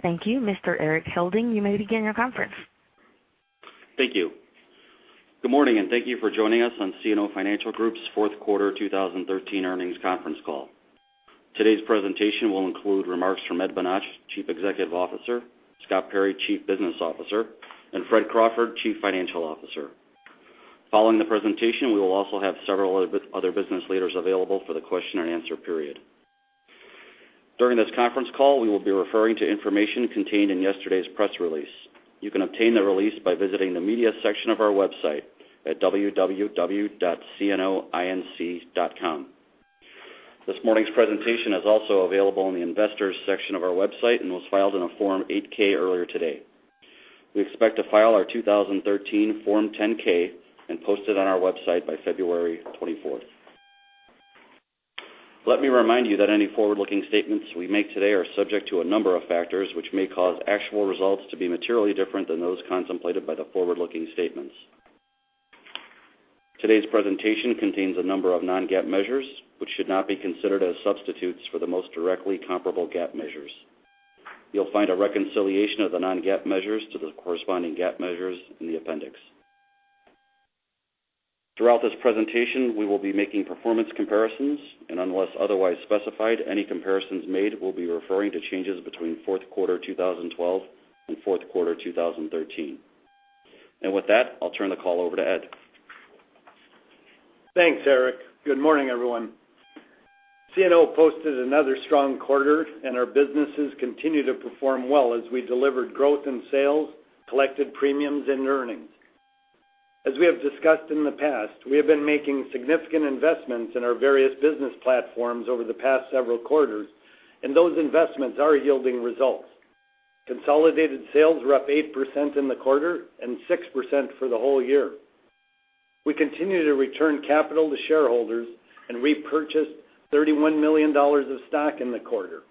Thank you, Mr. Erik Helding, you may begin your conference. Thank you. Good morning, and thank you for joining us on CNO Financial Group's fourth quarter 2013 earnings conference call. Today's presentation will include remarks from Ed Bonach, Chief Executive Officer, Scott Perry, Chief Business Officer, and Fred Crawford, Chief Financial Officer. Following the presentation, we will also have several other business leaders available for the question and answer period. During this conference call, we will be referring to information contained in yesterday's press release. You can obtain the release by visiting the media section of our website at www.cnoinc.com. This morning's presentation is also available in the investors section of our website and was filed in a Form 8-K earlier today. We expect to file our 2013 Form 10-K and post it on our website by February 24th. Let me remind you that any forward-looking statements we make today are subject to a number of factors which may cause actual results to be materially different than those contemplated by the forward-looking statements. Today's presentation contains a number of non-GAAP measures, which should not be considered as substitutes for the most directly comparable GAAP measures. You'll find a reconciliation of the non-GAAP measures to the corresponding GAAP measures in the appendix. Throughout this presentation, we will be making performance comparisons, and unless otherwise specified, any comparisons made will be referring to changes between fourth quarter 2012 and fourth quarter 2013. With that, I'll turn the call over to Ed. Thanks, Erik. Good morning, everyone. CNO posted another strong quarter, and our businesses continue to perform well as we delivered growth in sales, collected premiums, and earnings. As we have discussed in the past, we have been making significant investments in our various business platforms over the past several quarters, and those investments are yielding results. Consolidated sales were up 8% in the quarter and 6% for the whole year. We continue to return capital to shareholders and repurchased $31 million of stock in the quarter.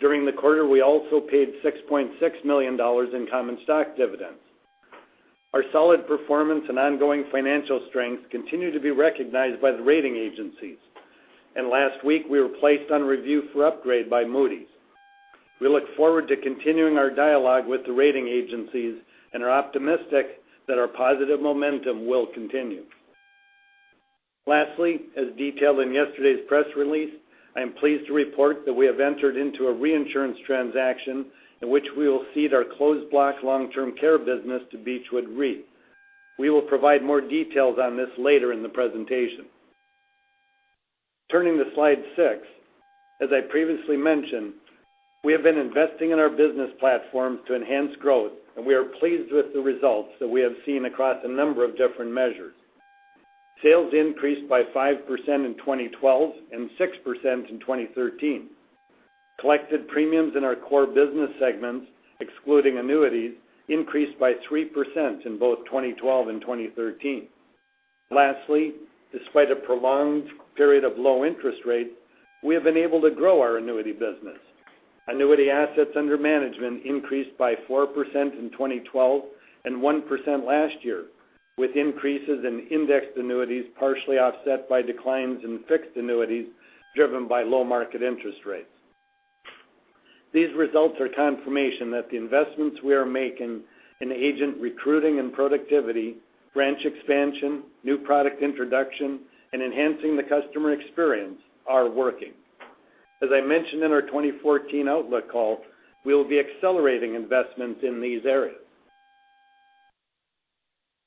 During the quarter, we also paid $6.6 million in common stock dividends. Our solid performance and ongoing financial strength continue to be recognized by the rating agencies. In last week, we were placed on review for upgrade by Moody's. We look forward to continuing our dialogue with the rating agencies and are optimistic that our positive momentum will continue. Lastly, as detailed in yesterday's press release, I am pleased to report that we have entered into a reinsurance transaction in which we will cede our closed block long-term care business to Beechwood Re. We will provide more details on this later in the presentation. Turning to slide six. As I previously mentioned, we have been investing in our business platform to enhance growth, and we are pleased with the results that we have seen across a number of different measures. Sales increased by 5% in 2012 and 6% in 2013. Collected premiums in our core business segments, excluding annuities, increased by 3% in both 2012 and 2013. Lastly, despite a prolonged period of low interest rates, we have been able to grow our annuity business. Annuity assets under management increased by 4% in 2012 and 1% last year, with increases in indexed annuities partially offset by declines in fixed annuities driven by low market interest rates. These results are confirmation that the investments we are making in agent recruiting and productivity, branch expansion, new product introduction, and enhancing the customer experience are working. As I mentioned in our 2014 outlook call, we will be accelerating investments in these areas.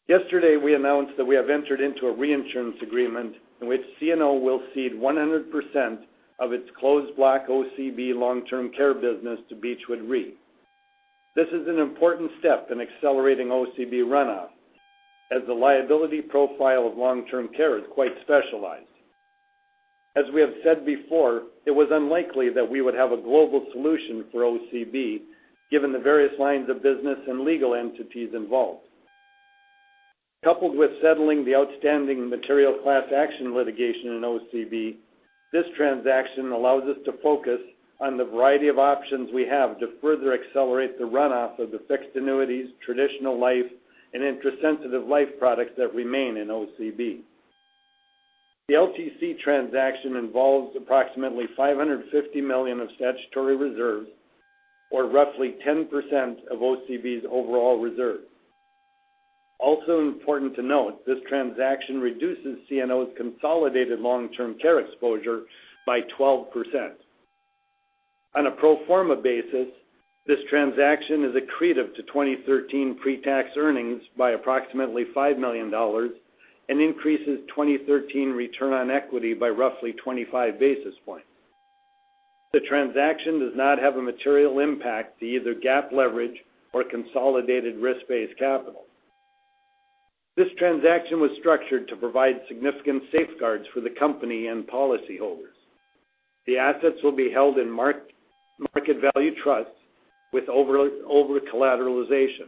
Yesterday, we announced that we have entered into a reinsurance agreement in which CNO will cede 100% of its closed block OCB long-term care business to Beechwood Re. This is an important step in accelerating OCB runoff as the liability profile of long-term care is quite specialized. As we have said before, it was unlikely that we would have a global solution for OCB given the various lines of business and legal entities involved. Coupled with settling the outstanding material class action litigation in OCB, this transaction allows us to focus on the variety of options we have to further accelerate the runoff of the fixed annuities, traditional life, and interest-sensitive life products that remain in OCB. The LTC transaction involves approximately $550 million of statutory reserves or roughly 10% of OCB's overall reserve. Also important to note, this transaction reduces CNO's consolidated long-term care exposure by 12%. On a pro forma basis, this transaction is accretive to 2013 pre-tax earnings by approximately $5 million and increases 2013 return on equity by roughly 25 basis points. The transaction does not have a material impact to either GAAP leverage or consolidated risk-based capital. This transaction was structured to provide significant safeguards for the company and policyholders. The assets will be held in market value trusts with over-collateralization.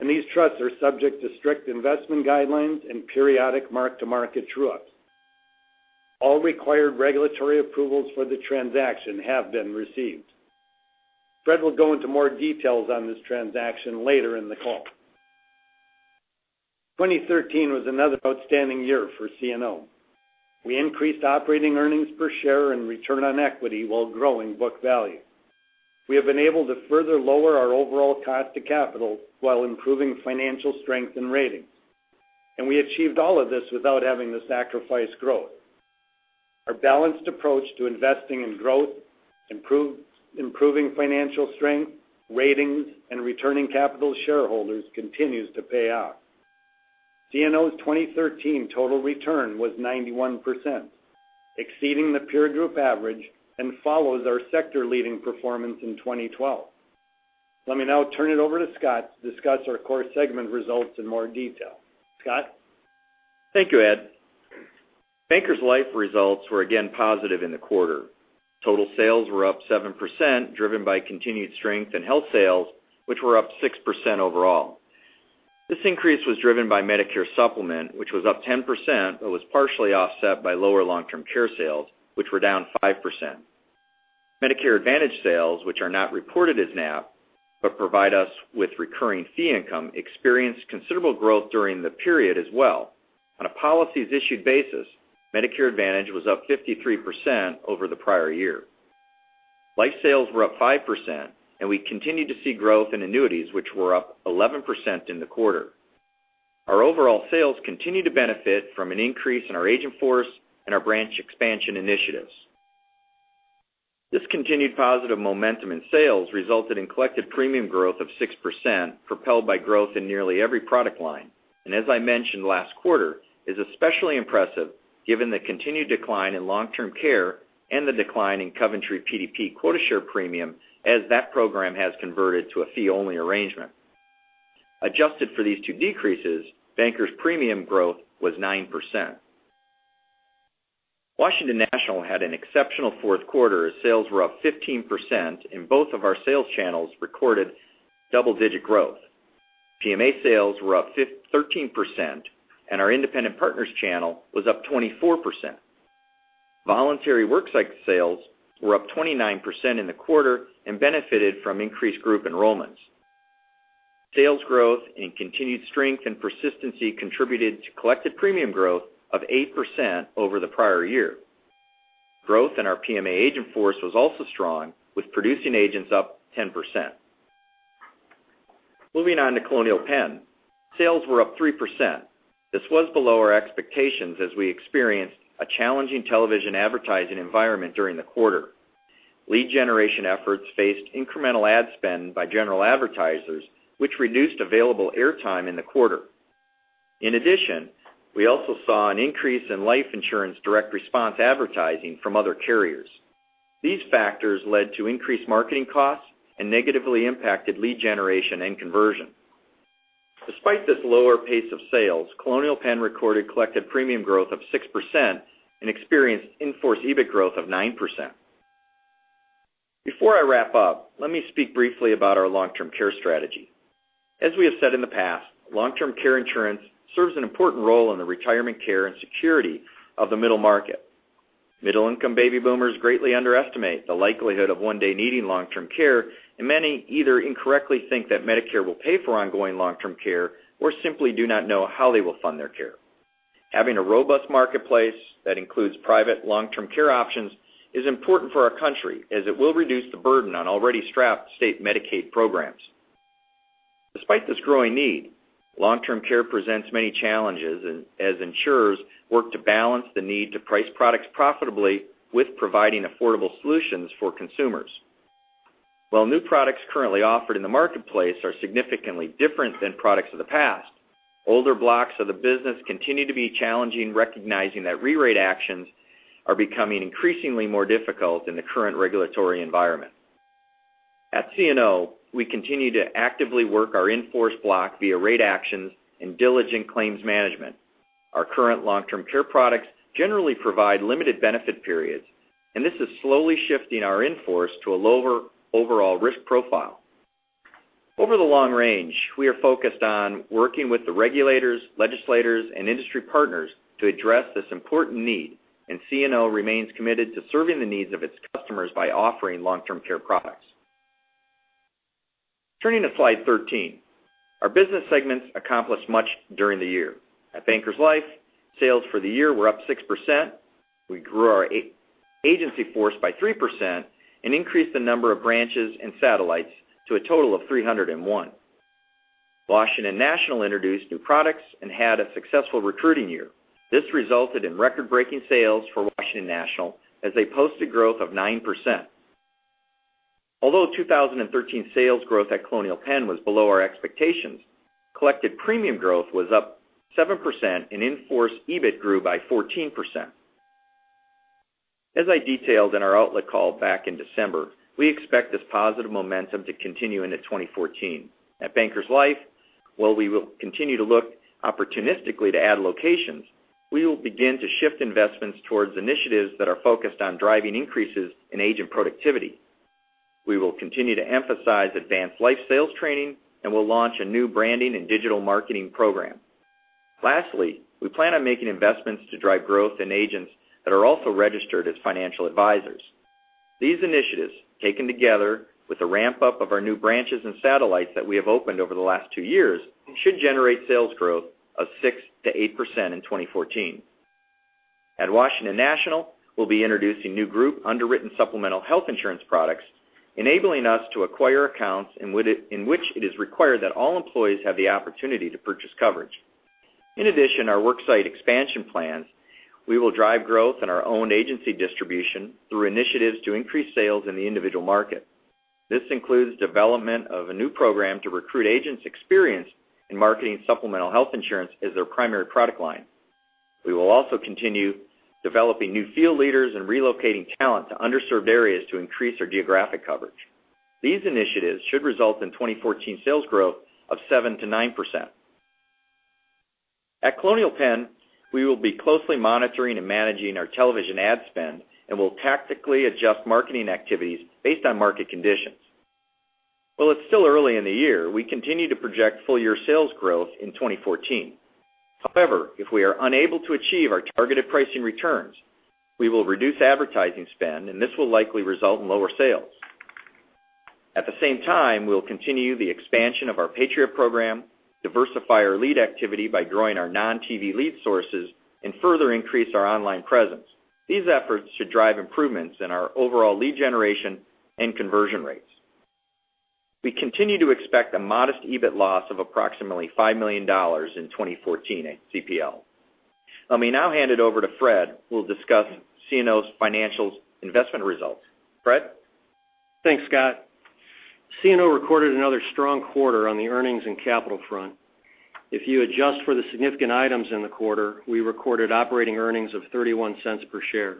These trusts are subject to strict investment guidelines and periodic mark-to-market true-ups. All required regulatory approvals for the transaction have been received. Fred will go into more details on this transaction later in the call. 2013 was another outstanding year for CNO. We increased operating earnings per share and return on equity while growing book value. We have been able to further lower our overall cost to capital while improving financial strength and ratings. We achieved all of this without having to sacrifice growth. Our balanced approach to investing in growth, improving financial strength, ratings, and returning capital to shareholders continues to pay off. CNO's 2013 total return was 91%, exceeding the peer group average, and follows our sector-leading performance in 2012. Let me now turn it over to Scott to discuss our core segment results in more detail. Scott? Thank you, Ed. Bankers Life results were again positive in the quarter. Total sales were up 7%, driven by continued strength in health sales, which were up 6% overall. This increase was driven by Medicare Supplement, which was up 10%, but was partially offset by lower long-term care sales, which were down 5%. Medicare Advantage sales, which are not reported as NAP, but provide us with recurring fee income, experienced considerable growth during the period as well. On a policies issued basis, Medicare Advantage was up 53% over the prior year. Life sales were up 5%, and we continued to see growth in annuities, which were up 11% in the quarter. Our overall sales continue to benefit from an increase in our agent force and our branch expansion initiatives. This continued positive momentum in sales resulted in collected premium growth of 6%, propelled by growth in nearly every product line. As I mentioned last quarter, is especially impressive given the continued decline in long-term care and the decline in Coventry PDP quota share premium, as that program has converted to a fee-only arrangement. Adjusted for these two decreases, Bankers' premium growth was 9%. Washington National had an exceptional fourth quarter, as sales were up 15% in both of our sales channels recorded double-digit growth. PMA sales were up 13%, and our independent partners channel was up 24%. Voluntary worksite sales were up 29% in the quarter and benefited from increased group enrollments. Sales growth and continued strength and persistency contributed to collected premium growth of 8% over the prior year. Growth in our PMA agent force was also strong, with producing agents up 10%. Moving on to Colonial Penn. Sales were up 3%. This was below our expectations as we experienced a challenging television advertising environment during the quarter. Lead generation efforts faced incremental ad spend by general advertisers, which reduced available air time in the quarter. In addition, we also saw an increase in life insurance direct response advertising from other carriers. These factors led to increased marketing costs and negatively impacted lead generation and conversion. Despite this lower pace of sales, Colonial Penn recorded collected premium growth of 6% and experienced in-force EBIT growth of 9%. Before I wrap up, let me speak briefly about our long-term care strategy. As we have said in the past, long-term care insurance serves an important role in the retirement care and security of the middle market. Middle-income baby boomers greatly underestimate the likelihood of one day needing long-term care, and many either incorrectly think that Medicare will pay for ongoing long-term care or simply do not know how they will fund their care. Having a robust marketplace that includes private long-term care options is important for our country, as it will reduce the burden on already strapped state Medicaid programs. Despite this growing need, long-term care presents many challenges as insurers work to balance the need to price products profitably with providing affordable solutions for consumers. While new products currently offered in the marketplace are significantly different than products of the past, older blocks of the business continue to be challenging, recognizing that re-rate actions are becoming increasingly more difficult in the current regulatory environment. At CNO, we continue to actively work our in-force block via rate actions and diligent claims management. Our current long-term care products generally provide limited benefit periods. This is slowly shifting our in-force to a lower overall risk profile. Over the long range, we are focused on working with the regulators, legislators, and industry partners to address this important need. CNO remains committed to serving the needs of its customers by offering long-term care products. Turning to slide 13. Our business segments accomplished much during the year. At Bankers Life, sales for the year were up 6%. We grew our agency force by 3% and increased the number of branches and satellites to a total of 301. Washington National introduced new products and had a successful recruiting year. This resulted in record-breaking sales for Washington National as they posted growth of 9%. Although 2013 sales growth at Colonial Penn was below our expectations, collected premium growth was up 7%, and in-force EBIT grew by 14%. As I detailed in our outlook call back in December, we expect this positive momentum to continue into 2014. At Bankers Life, while we will continue to look opportunistically to add locations, we will begin to shift investments towards initiatives that are focused on driving increases in agent productivity. We will continue to emphasize advanced life sales training and will launch a new branding and digital marketing program. Lastly, we plan on making investments to drive growth in agents that are also registered as financial advisors. These initiatives, taken together with the ramp-up of our new branches and satellites that we have opened over the last two years, should generate sales growth of 6%-8% in 2014. At Washington National, we will be introducing new group underwritten supplemental health insurance products, enabling us to acquire accounts in which it is required that all employees have the opportunity to purchase coverage. In addition to our work site expansion plans, we will drive growth in our own agency distribution through initiatives to increase sales in the individual market. This includes development of a new program to recruit agents experienced in marketing supplemental health insurance as their primary product line. We will also continue developing new field leaders and relocating talent to underserved areas to increase our geographic coverage. These initiatives should result in 2014 sales growth of 7%-9%. At Colonial Penn, we will be closely monitoring and managing our television ad spend and will tactically adjust marketing activities based on market conditions. While it's still early in the year, we continue to project full-year sales growth in 2014. However, if we are unable to achieve our targeted pricing returns, we will reduce advertising spend. This will likely result in lower sales. At the same time, we will continue the expansion of our Patriot program, diversify our lead activity by growing our non-TV lead sources. Further increase our online presence. These efforts should drive improvements in our overall lead generation and conversion rates. We continue to expect a modest EBIT loss of approximately $5 million in 2014 at CPL. Let me now hand it over to Fred, who will discuss CNO Financial's investment results. Fred? Thanks, Scott. CNO recorded another strong quarter on the earnings and capital front. If you adjust for the significant items in the quarter, we recorded operating earnings of $0.31 per share.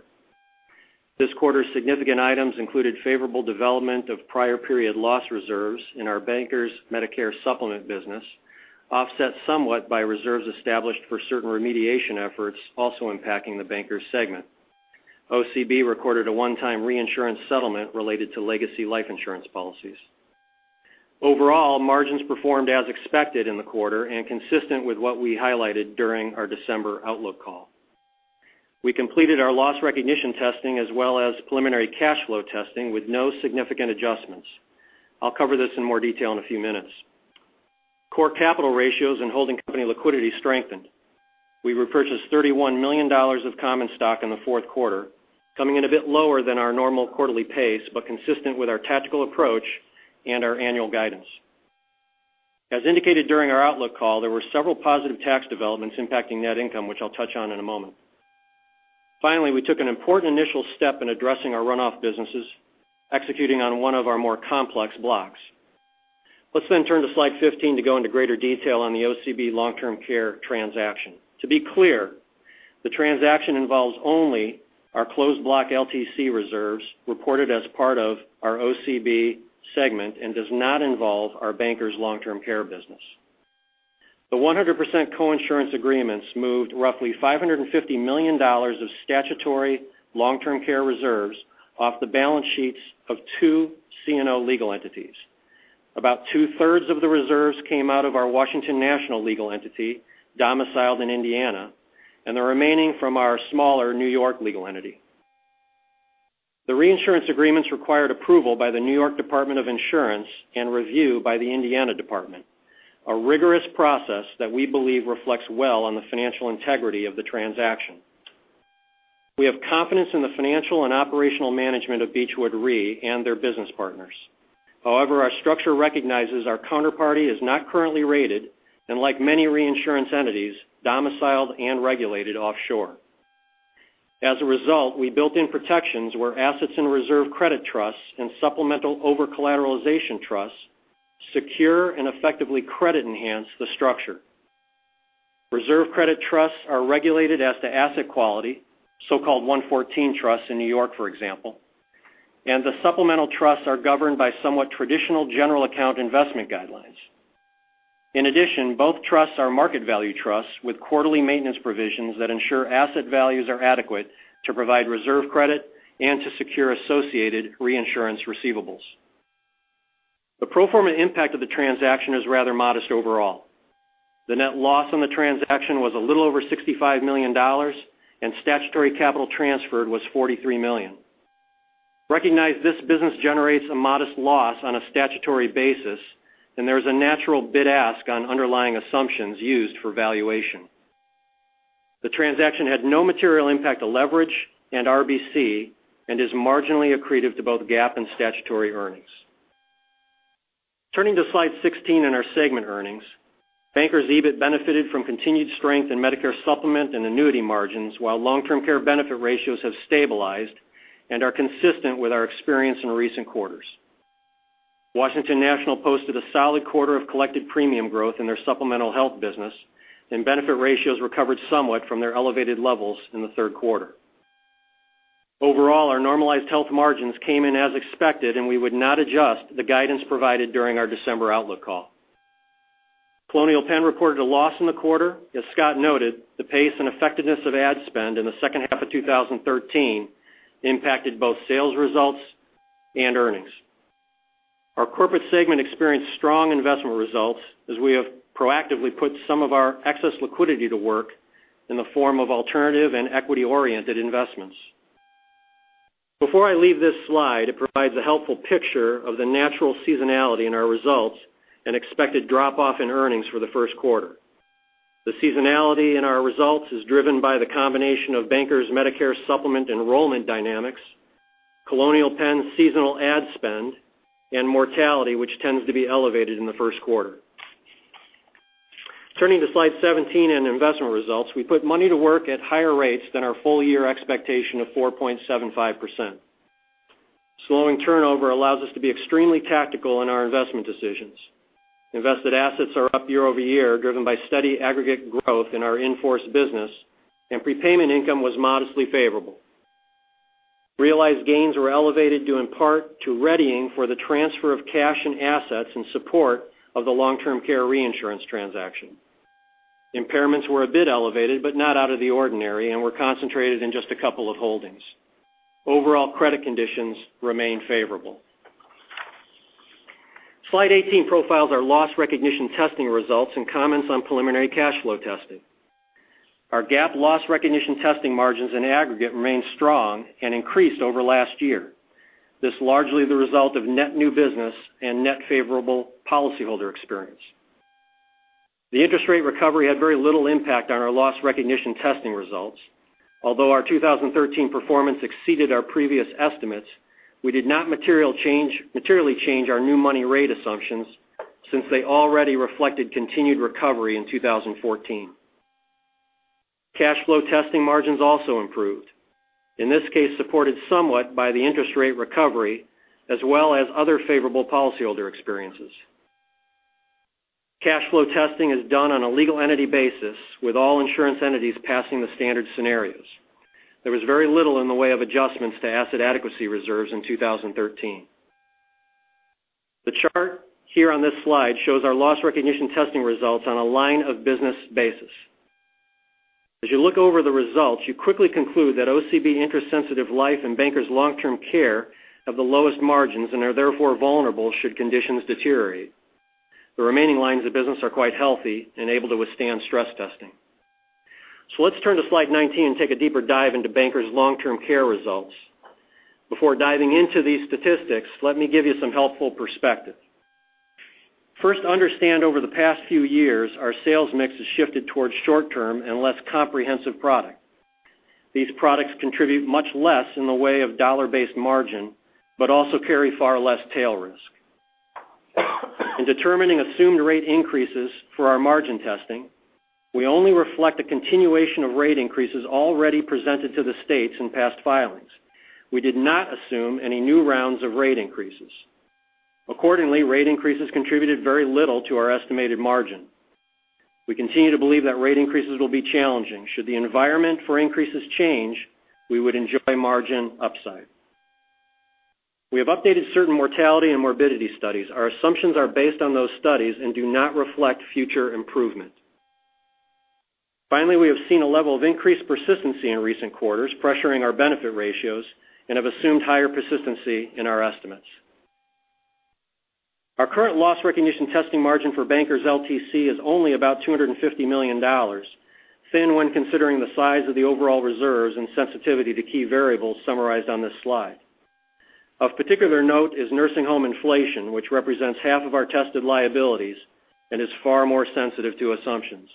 This quarter's significant items included favorable development of prior period loss reserves in our Bankers Medicare Supplement business, offset somewhat by reserves established for certain remediation efforts also impacting the Bankers segment. OCB recorded a one-time reinsurance settlement related to legacy life insurance policies. Overall, margins performed as expected in the quarter and consistent with what we highlighted during our December outlook call. We completed our loss recognition testing as well as preliminary cash flow testing with no significant adjustments. I'll cover this in more detail in a few minutes. Core capital ratios and holding company liquidity strengthened. We repurchased $31 million of common stock in the fourth quarter, coming in a bit lower than our normal quarterly pace, but consistent with our tactical approach and our annual guidance. As indicated during our outlook call, there were several positive tax developments impacting net income, which I'll touch on in a moment. Finally, we took an important initial step in addressing our runoff businesses, executing on one of our more complex blocks. Let's turn to slide 15 to go into greater detail on the OCB long-term care transaction. To be clear, the transaction involves only our closed block LTC reserves reported as part of our OCB segment and does not involve our Bankers Long Term Care business. The 100% coinsurance agreements moved roughly $550 million of statutory long-term care reserves off the balance sheets of two CNO legal entities. About two-thirds of the reserves came out of our Washington National legal entity, domiciled in Indiana, and the remaining from our smaller New York legal entity. The reinsurance agreements required approval by the New York Department of Insurance and review by the Indiana Department, a rigorous process that we believe reflects well on the financial integrity of the transaction. We have confidence in the financial and operational management of Beechwood Re and their business partners. However, our structure recognizes our counterparty is not currently rated, and like many reinsurance entities, domiciled and regulated offshore. As a result, we built in protections where assets in reserve credit trusts and supplemental over-collateralization trusts secure and effectively credit enhance the structure. Reserve credit trusts are regulated as to asset quality, so-called Regulation 114 trusts in New York, for example, and the supplemental trusts are governed by somewhat traditional general account investment guidelines. In addition, both trusts are market value trusts with quarterly maintenance provisions that ensure asset values are adequate to provide reserve credit and to secure associated reinsurance receivables. The pro forma impact of the transaction is rather modest overall. The net loss on the transaction was a little over $65 million, and statutory capital transferred was $43 million. Recognize this business generates a modest loss on a statutory basis, and there is a natural bid-ask on underlying assumptions used for valuation. The transaction had no material impact to leverage and RBC and is marginally accretive to both GAAP and statutory earnings. Turning to slide 16 and our segment earnings, Bankers' EBIT benefited from continued strength in Medicare Supplement and annuity margins, while long-term care benefit ratios have stabilized and are consistent with our experience in recent quarters. Washington National posted a solid quarter of collected premium growth in their supplemental health business, and benefit ratios recovered somewhat from their elevated levels in the third quarter. Overall, our normalized health margins came in as expected, and we would not adjust the guidance provided during our December outlook call. Colonial Penn reported a loss in the quarter. As Scott noted, the pace and effectiveness of ad spend in the second half of 2013 impacted both sales results and earnings. Our corporate segment experienced strong investment results as we have proactively put some of our excess liquidity to work in the form of alternative and equity-oriented investments. Before I leave this slide, it provides a helpful picture of the natural seasonality in our results and expected drop-off in earnings for the first quarter. The seasonality in our results is driven by the combination of Bankers Medicare Supplement enrollment dynamics, Colonial Penn's seasonal ad spend, and mortality, which tends to be elevated in the first quarter. Turning to slide 17 in investment results, we put money to work at higher rates than our full year expectation of 4.75%. Slowing turnover allows us to be extremely tactical in our investment decisions. Invested assets are up year-over-year, driven by steady aggregate growth in our in-force business, and prepayment income was modestly favorable. Realized gains were elevated due in part to readying for the transfer of cash and assets in support of the long-term care reinsurance transaction. Impairments were a bit elevated, but not out of the ordinary and were concentrated in just a couple of holdings. Overall credit conditions remain favorable. Slide 18 profiles our loss recognition testing results and comments on preliminary cash flow testing. Our GAAP loss recognition testing margins in aggregate remained strong and increased over last year. This largely the result of net new business and net favorable policyholder experience. The interest rate recovery had very little impact on our loss recognition testing results. Although our 2013 performance exceeded our previous estimates, we did not materially change our new money rate assumptions since they already reflected continued recovery in 2014. Cash flow testing margins also improved, in this case, supported somewhat by the interest rate recovery as well as other favorable policyholder experiences. Cash flow testing is done on a legal entity basis, with all insurance entities passing the standard scenarios. There was very little in the way of adjustments to asset adequacy reserves in 2013. The chart here on this slide shows our loss recognition testing results on a line of business basis. As you look over the results, you quickly conclude that OCB Interest Sensitive Life and Bankers Long-Term Care have the lowest margins and are therefore vulnerable should conditions deteriorate. The remaining lines of business are quite healthy and able to withstand stress testing. Let's turn to slide 19 and take a deeper dive into Bankers Long-Term Care results. Before diving into these statistics, let me give you some helpful perspective. First, understand over the past few years, our sales mix has shifted towards short-term and less comprehensive product. These products contribute much less in the way of dollar-based margin, but also carry far less tail risk. In determining assumed rate increases for our margin testing, we only reflect a continuation of rate increases already presented to the states in past filings. We did not assume any new rounds of rate increases. Accordingly, rate increases contributed very little to our estimated margin. We continue to believe that rate increases will be challenging. Should the environment for increases change, we would enjoy margin upside. We have updated certain mortality and morbidity studies. Our assumptions are based on those studies and do not reflect future improvement. Finally, we have seen a level of increased persistency in recent quarters, pressuring our benefit ratios and have assumed higher persistency in our estimates. Our current loss recognition testing margin for Bankers LTC is only about $250 million, thin when considering the size of the overall reserves and sensitivity to key variables summarized on this slide. Of particular note is nursing home inflation, which represents half of our tested liabilities and is far more sensitive to assumptions.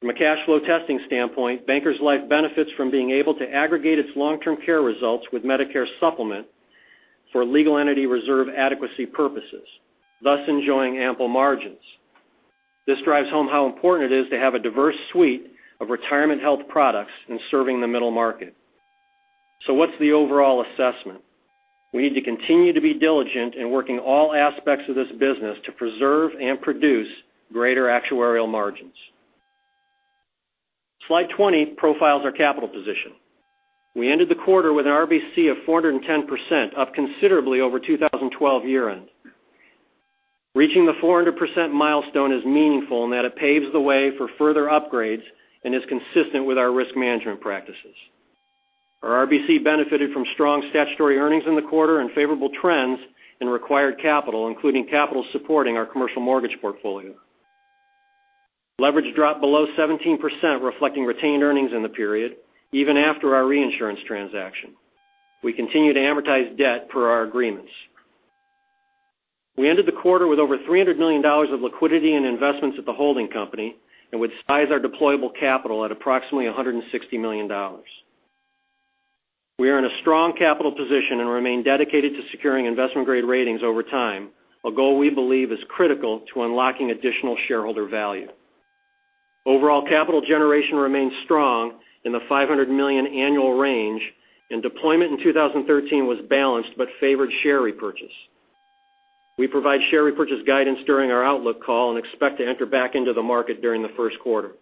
From a cash flow testing standpoint, Bankers Life benefits from being able to aggregate its long-term care results with Medicare Supplement for legal entity reserve adequacy purposes, thus enjoying ample margins. This drives home how important it is to have a diverse suite of retirement health products in serving the middle market. What's the overall assessment? We need to continue to be diligent in working all aspects of this business to preserve and produce greater actuarial margins. Slide 20 profiles our capital position. We ended the quarter with an RBC of 410%, up considerably over 2012 year-end. Reaching the 400% milestone is meaningful in that it paves the way for further upgrades and is consistent with our risk management practices. Our RBC benefited from strong statutory earnings in the quarter and favorable trends in required capital, including capital supporting our commercial mortgage portfolio. Leverage dropped below 17%, reflecting retained earnings in the period even after our reinsurance transaction. We continue to amortize debt per our agreements. We ended the quarter with over $300 million of liquidity and investments at the holding company and would size our deployable capital at approximately $160 million. We are in a strong capital position and remain dedicated to securing investment-grade ratings over time, a goal we believe is critical to unlocking additional shareholder value. Overall capital generation remains strong in the $500 million annual range, and deployment in 2013 was balanced but favored share repurchase. We provide share repurchase guidance during our outlook call and expect to enter back into the market during the first quarter.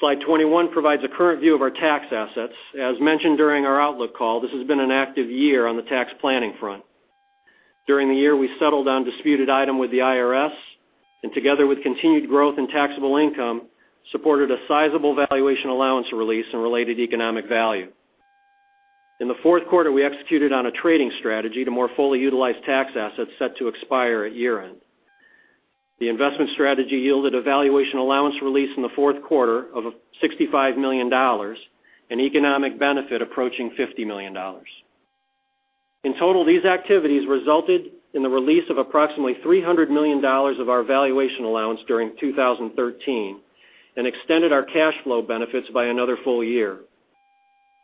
Slide 21 provides a current view of our tax assets. As mentioned during our outlook call, this has been an active year on the tax planning front. During the year, we settled on disputed item with the IRS. Together with continued growth and taxable income, supported a sizable valuation allowance release and related economic value. In the fourth quarter, we executed on a trading strategy to more fully utilize tax assets set to expire at year-end. The investment strategy yielded a valuation allowance release in the fourth quarter of $65 million, an economic benefit approaching $50 million. In total, these activities resulted in the release of approximately $300 million of our valuation allowance during 2013 and extended our cash flow benefits by another full year.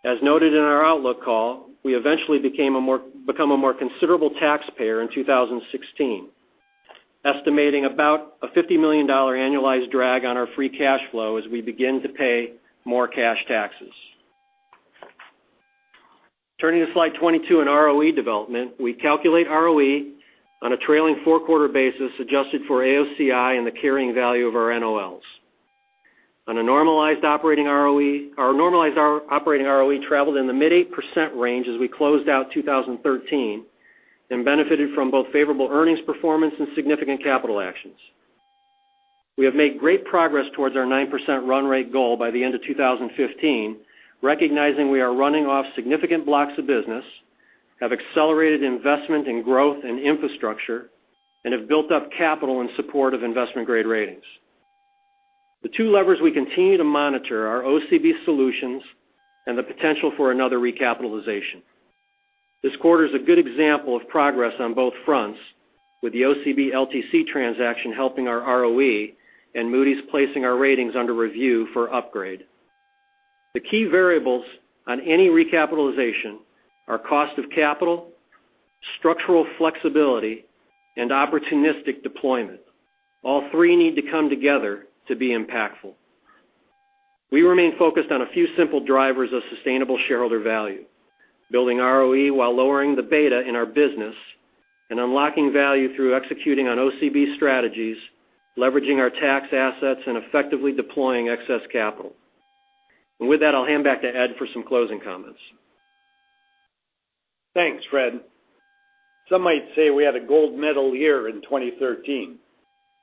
As noted in our outlook call, we eventually become a more considerable taxpayer in 2016, estimating about a $50 million annualized drag on our free cash flow as we begin to pay more cash taxes. Turning to slide 22 in ROE development, we calculate ROE on a trailing four-quarter basis, adjusted for AOCI and the carrying value of our NOLs. Our normalized operating ROE traveled in the mid 8% range as we closed out 2013 and benefited from both favorable earnings performance and significant capital actions. We have made great progress towards our 9% run rate goal by the end of 2015, recognizing we are running off significant blocks of business, have accelerated investment in growth and infrastructure, and have built up capital in support of investment-grade ratings. The two levers we continue to monitor are OCB Solutions and the potential for another recapitalization. This quarter is a good example of progress on both fronts, with the OCB LTC transaction helping our ROE and Moody's placing our ratings under review for upgrade. The key variables on any recapitalization are cost of capital, structural flexibility, and opportunistic deployment. All three need to come together to be impactful. We remain focused on a few simple drivers of sustainable shareholder value, building ROE while lowering the beta in our business, and unlocking value through executing on OCB strategies, leveraging our tax assets, and effectively deploying excess capital. With that, I'll hand back to Ed for some closing comments. Thanks, Fred. Some might say we had a gold medal year in 2013.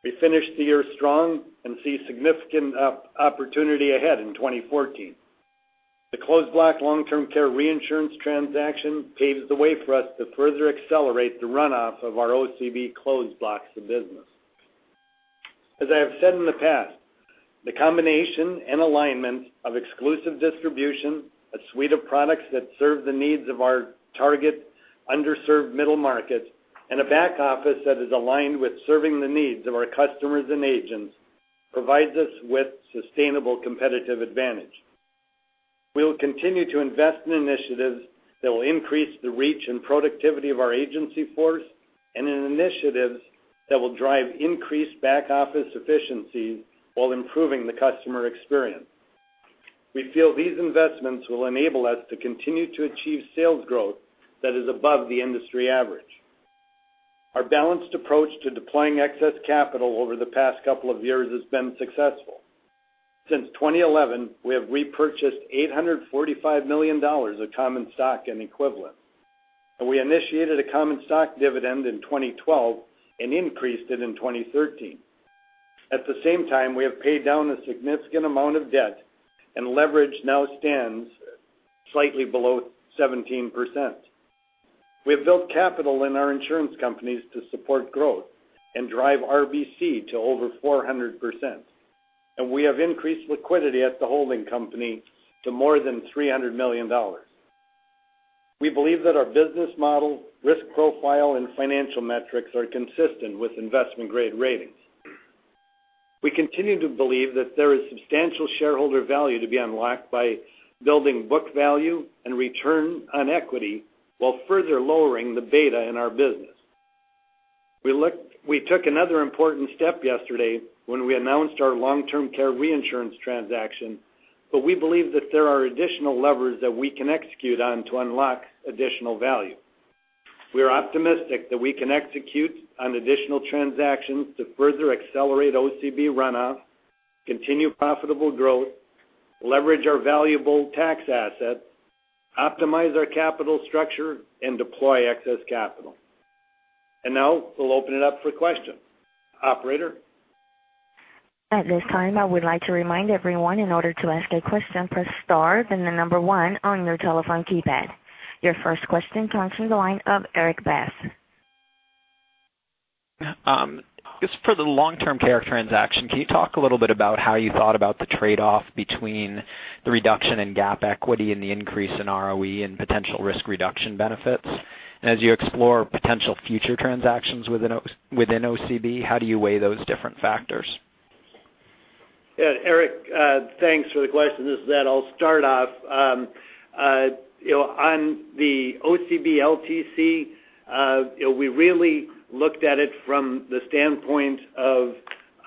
We finished the year strong and see significant opportunity ahead in 2014. The Closed Block Long-Term Care reinsurance transaction paves the way for us to further accelerate the runoff of our OCB Closed Blocks of business. As I have said in the past, the combination and alignment of exclusive distribution, a suite of products that serve the needs of our target underserved middle markets, and a back office that is aligned with serving the needs of our customers and agents, provides us with sustainable competitive advantage. We will continue to invest in initiatives that will increase the reach and productivity of our agency force and in initiatives that will drive increased back-office efficiency while improving the customer experience. We feel these investments will enable us to continue to achieve sales growth that is above the industry average. Our balanced approach to deploying excess capital over the past couple of years has been successful. Since 2011, we have repurchased $845 million of common stock and equivalent, and we initiated a common stock dividend in 2012 and increased it in 2013. At the same time, we have paid down a significant amount of debt, and leverage now stands slightly below 17%. We have built capital in our insurance companies to support growth and drive RBC to over 400%, and we have increased liquidity at the holding company to more than $300 million. We believe that our business model, risk profile, and financial metrics are consistent with investment-grade ratings. We continue to believe that there is substantial shareholder value to be unlocked by building book value and return on equity while further lowering the beta in our business. We took another important step yesterday when we announced our long-term care reinsurance transaction, we believe that there are additional levers that we can execute on to unlock additional value. We are optimistic that we can execute on additional transactions to further accelerate OCB runoff, continue profitable growth, leverage our valuable tax assets, optimize our capital structure, and deploy excess capital. Now we'll open it up for questions. Operator? At this time, I would like to remind everyone, in order to ask a question, press star, then 1 on your telephone keypad. Your first question comes from the line of Erik Bass. Just for the long-term care transaction, can you talk a little bit about how you thought about the trade-off between the reduction in GAAP equity and the increase in ROE and potential risk reduction benefits? As you explore potential future transactions within OCB, how do you weigh those different factors? Yeah, Erik, thanks for the question. This is Ed. I'll start off. On the OCB LTC, we really looked at it from the standpoint of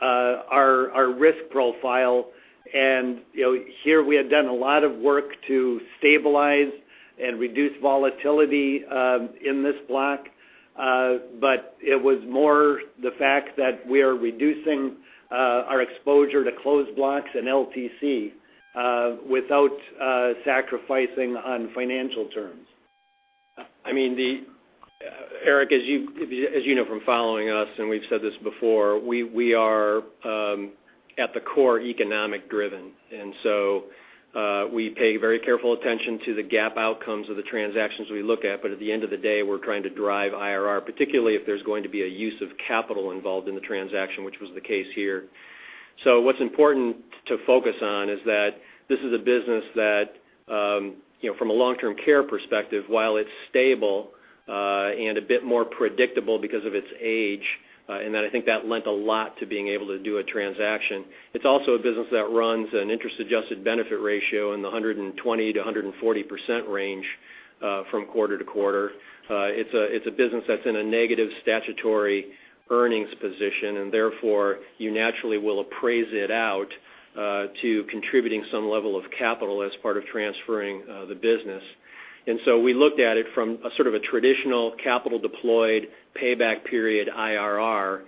our risk profile. Here we had done a lot of work to stabilize and reduce volatility in this block. It was more the fact that we are reducing our exposure to closed blocks in LTC without sacrificing on financial terms. Erik, as you know from following us, we've said this before, we are at the core economic-driven. We pay very careful attention to the GAAP outcomes of the transactions we look at. At the end of the day, we're trying to drive IRR, particularly if there's going to be a use of capital involved in the transaction, which was the case here. What's important to focus on is that this is a business that from a long-term care perspective, while it's stable and a bit more predictable because of its age, and that I think that lent a lot to being able to do a transaction. It's also a business that runs an interest-adjusted benefit ratio in the 120%-140% range from quarter to quarter. It's a business that's in a negative statutory earnings position, and therefore, you naturally will appraise it out to contributing some level of capital as part of transferring the business. We looked at it from a sort of a traditional capital deployed payback period IRR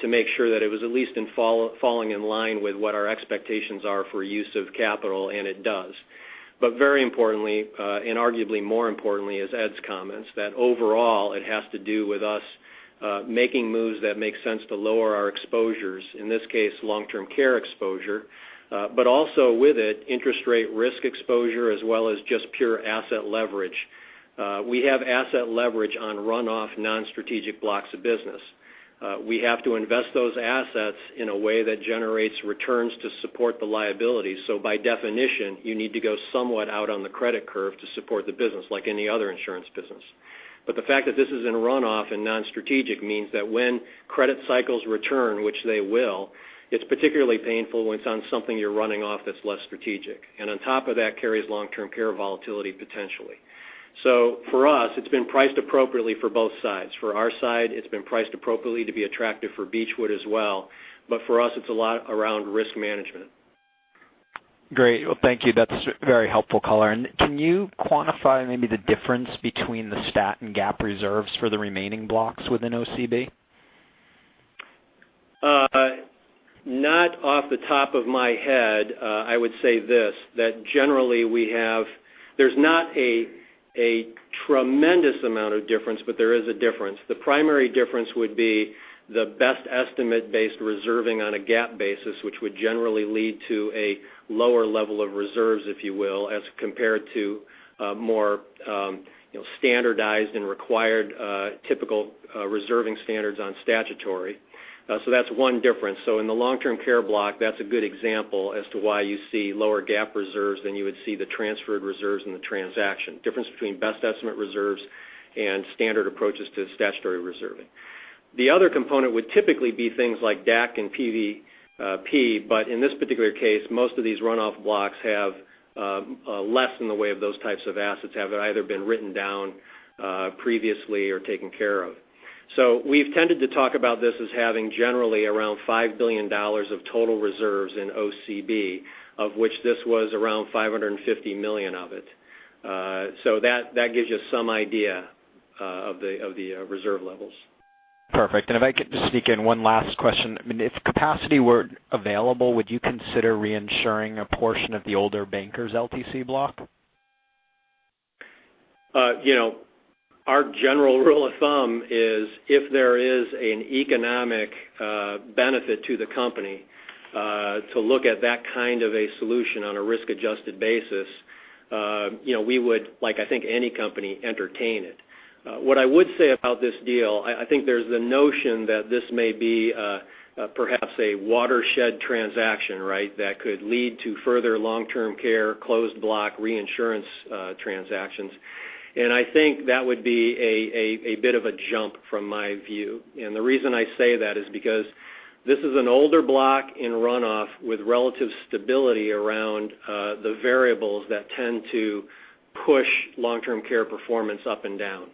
to make sure that it was at least falling in line with what our expectations are for use of capital, and it does. Very importantly, and arguably more importantly as Ed's comments, that overall it has to do with us making moves that make sense to lower our exposures, in this case, long-term care exposure, but also with it, interest rate risk exposure as well as just pure asset leverage. We have asset leverage on runoff non-strategic blocks of business. We have to invest those assets in a way that generates returns to support the liability. By definition, you need to go somewhat out on the credit curve to support the business like any other insurance business. The fact that this is in runoff and non-strategic means that when credit cycles return, which they will, it's particularly painful when it's on something you're running off that's less strategic. On top of that carries long-term care volatility potentially. For us, it's been priced appropriately for both sides. For our side, it's been priced appropriately to be attractive for Beechwood as well. For us, it's a lot around risk management. Great. Well, thank you. That's very helpful color. Can you quantify maybe the difference between the stat and GAAP reserves for the remaining blocks within OCB? Not off the top of my head. I would say this, that generally there's not a tremendous amount of difference, but there is a difference. The primary difference would be the best estimate-based reserving on a GAAP basis, which would generally lead to a lower level of reserves, if you will, as compared to more standardized and required typical reserving standards on statutory. That's one difference. In the long-term care block, that's a good example as to why you see lower GAAP reserves than you would see the transferred reserves in the transaction. Difference between best estimate reserves and standard approaches to statutory reserving. The other component would typically be things like DAC and PVFP, but in this particular case, most of these runoff blocks have less in the way of those types of assets, have either been written down previously or taken care of. We've tended to talk about this as having generally around $5 billion of total reserves in OCB, of which this was around $550 million of it. That gives you some idea of the reserve levels. Perfect. If I could just sneak in one last question. If capacity were available, would you consider reinsuring a portion of the older Bankers LTC block? Our general rule of thumb is if there is an economic benefit to the company to look at that kind of a solution on a risk-adjusted basis, we would, like I think any company, entertain it. What I would say about this deal, I think there's the notion that this may be perhaps a watershed transaction that could lead to further long-term care closed block reinsurance transactions. I think that would be a bit of a jump from my view. The reason I say that is because this is an older block in runoff with relative stability around the variables that tend to push long-term care performance up and down.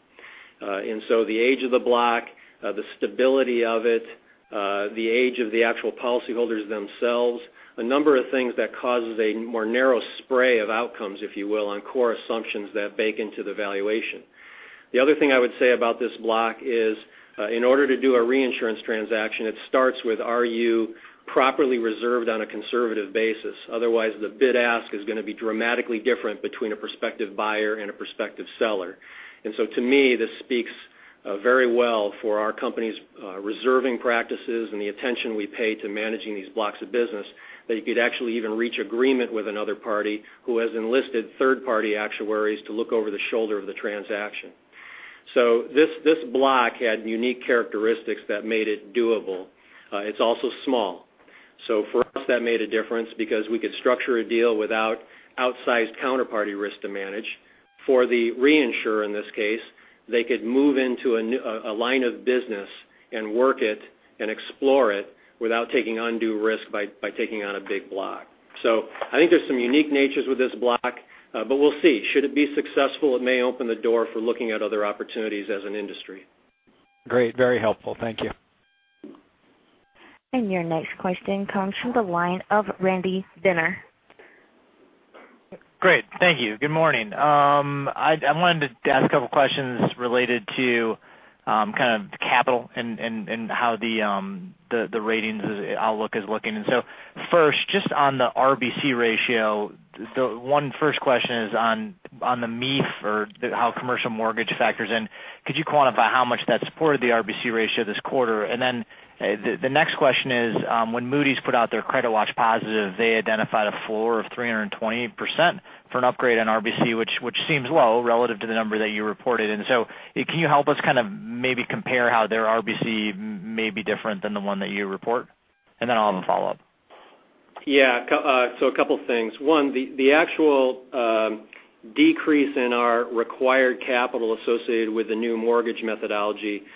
The age of the block, the stability of it, the age of the actual policyholders themselves, a number of things that causes a more narrow spray of outcomes, if you will, on core assumptions that bake into the valuation. The other thing I would say about this block is in order to do a reinsurance transaction, it starts with are you properly reserved on a conservative basis? Otherwise, the bid-ask is going to be dramatically different between a prospective buyer and a prospective seller. To me, this speaks very well for our company's reserving practices and the attention we pay to managing these blocks of business that you could actually even reach agreement with another party who has enlisted third-party actuaries to look over the shoulder of the transaction. This block had unique characteristics that made it doable. It's also small. For us, that made a difference because we could structure a deal without outsized counterparty risk to manage. For the reinsurer in this case, they could move into a line of business and work it and explore it without taking undue risk by taking on a big block. I think there's some unique natures with this block. We'll see. Should it be successful, it may open the door for looking at other opportunities as an industry. Great. Very helpful. Thank you. Your next question comes from the line of Randy Binner. Great. Thank you. Good morning. I wanted to ask a couple questions related to capital and how the ratings outlook is looking. First, just on the RBC ratio, the first question is on the MIP or how commercial mortgage factors in. Could you quantify how much that supported the RBC ratio this quarter? The next question is, when Moody's put out their credit watch positive, they identified a floor of 320% for an upgrade on RBC, which seems low relative to the number that you reported. Can you help us maybe compare how their RBC may be different than the one that you report? I'll have a follow-up. A couple things. One, the actual decrease in our required capital associated with the new mortgage methodology was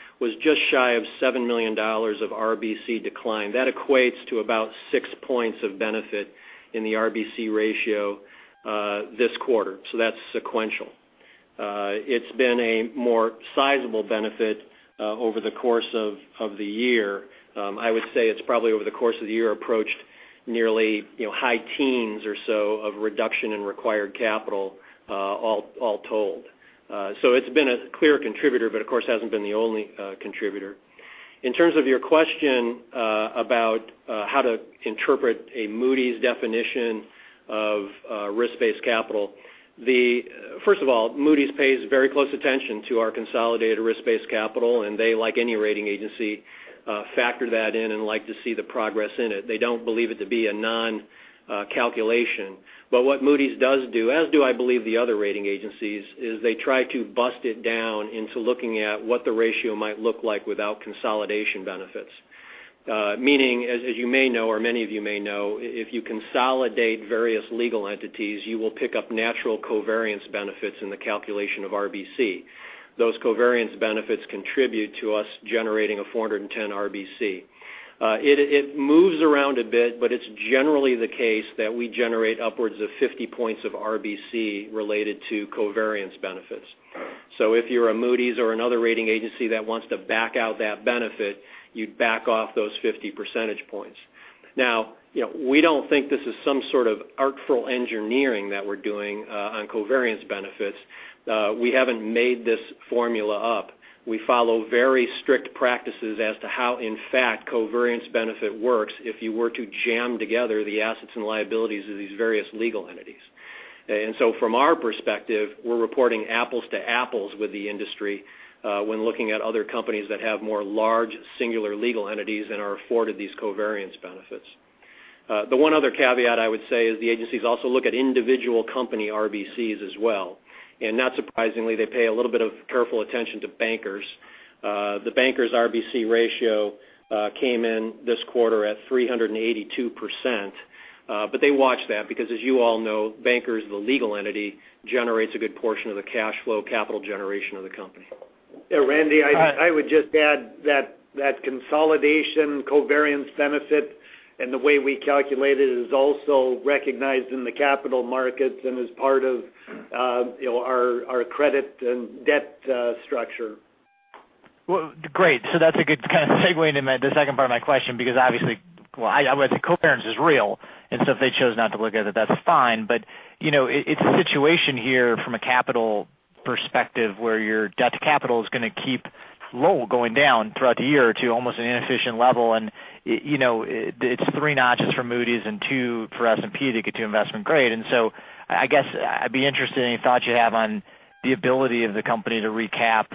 just shy of $7 million of RBC decline. That equates to about 6 points of benefit in the RBC ratio this quarter. That's sequential. It's been a more sizable benefit over the course of the year. I would say it's probably over the course of the year approached nearly high teens or so of reduction in required capital, all told. It's been a clear contributor, but of course hasn't been the only contributor. In terms of your question about how to interpret a Moody's definition of risk-based capital. First of all, Moody's pays very close attention to our consolidated risk-based capital, and they, like any rating agency, factor that in and like to see the progress in it. They don't believe it to be a non-calculation. What Moody's does do, as do I believe the other rating agencies, is they try to bust it down into looking at what the ratio might look like without consolidation benefits. As you may know, or many of you may know, if you consolidate various legal entities, you will pick up natural covariance benefits in the calculation of RBC. Those covariance benefits contribute to us generating a 410 RBC. It moves around a bit, but it's generally the case that we generate upwards of 50 points of RBC related to covariance benefits. If you're a Moody's or another rating agency that wants to back out that benefit, you'd back off those 50 percentage points. We don't think this is some sort of artful engineering that we're doing on covariance benefits. We haven't made this formula up. We follow very strict practices as to how, in fact, covariance benefit works if you were to jam together the assets and liabilities of these various legal entities. From our perspective, we're reporting apples to apples with the industry when looking at other companies that have more large, singular legal entities and are afforded these covariance benefits. The one other caveat I would say is the agencies also look at individual company RBCs as well. Not surprisingly, they pay a little bit of careful attention to Bankers. The Bankers RBC ratio came in this quarter at 382%. They watch that because as you all know, Bankers, the legal entity, generates a good portion of the cash flow capital generation of the company. Yeah, Randy, I would just add that consolidation covariance benefit and the way we calculate it is also recognized in the capital markets and is part of our credit and debt structure. Well, great. That's a good kind of segue into the second part of my question because obviously, the covariance is real, if they chose not to look at it, that's fine. It's a situation here from a capital perspective where your debt to capital is going to keep low going down throughout the year to almost an inefficient level. It's three notches for Moody's and two for S&P to get to investment grade. I guess I'd be interested in any thoughts you have on the ability of the company to recap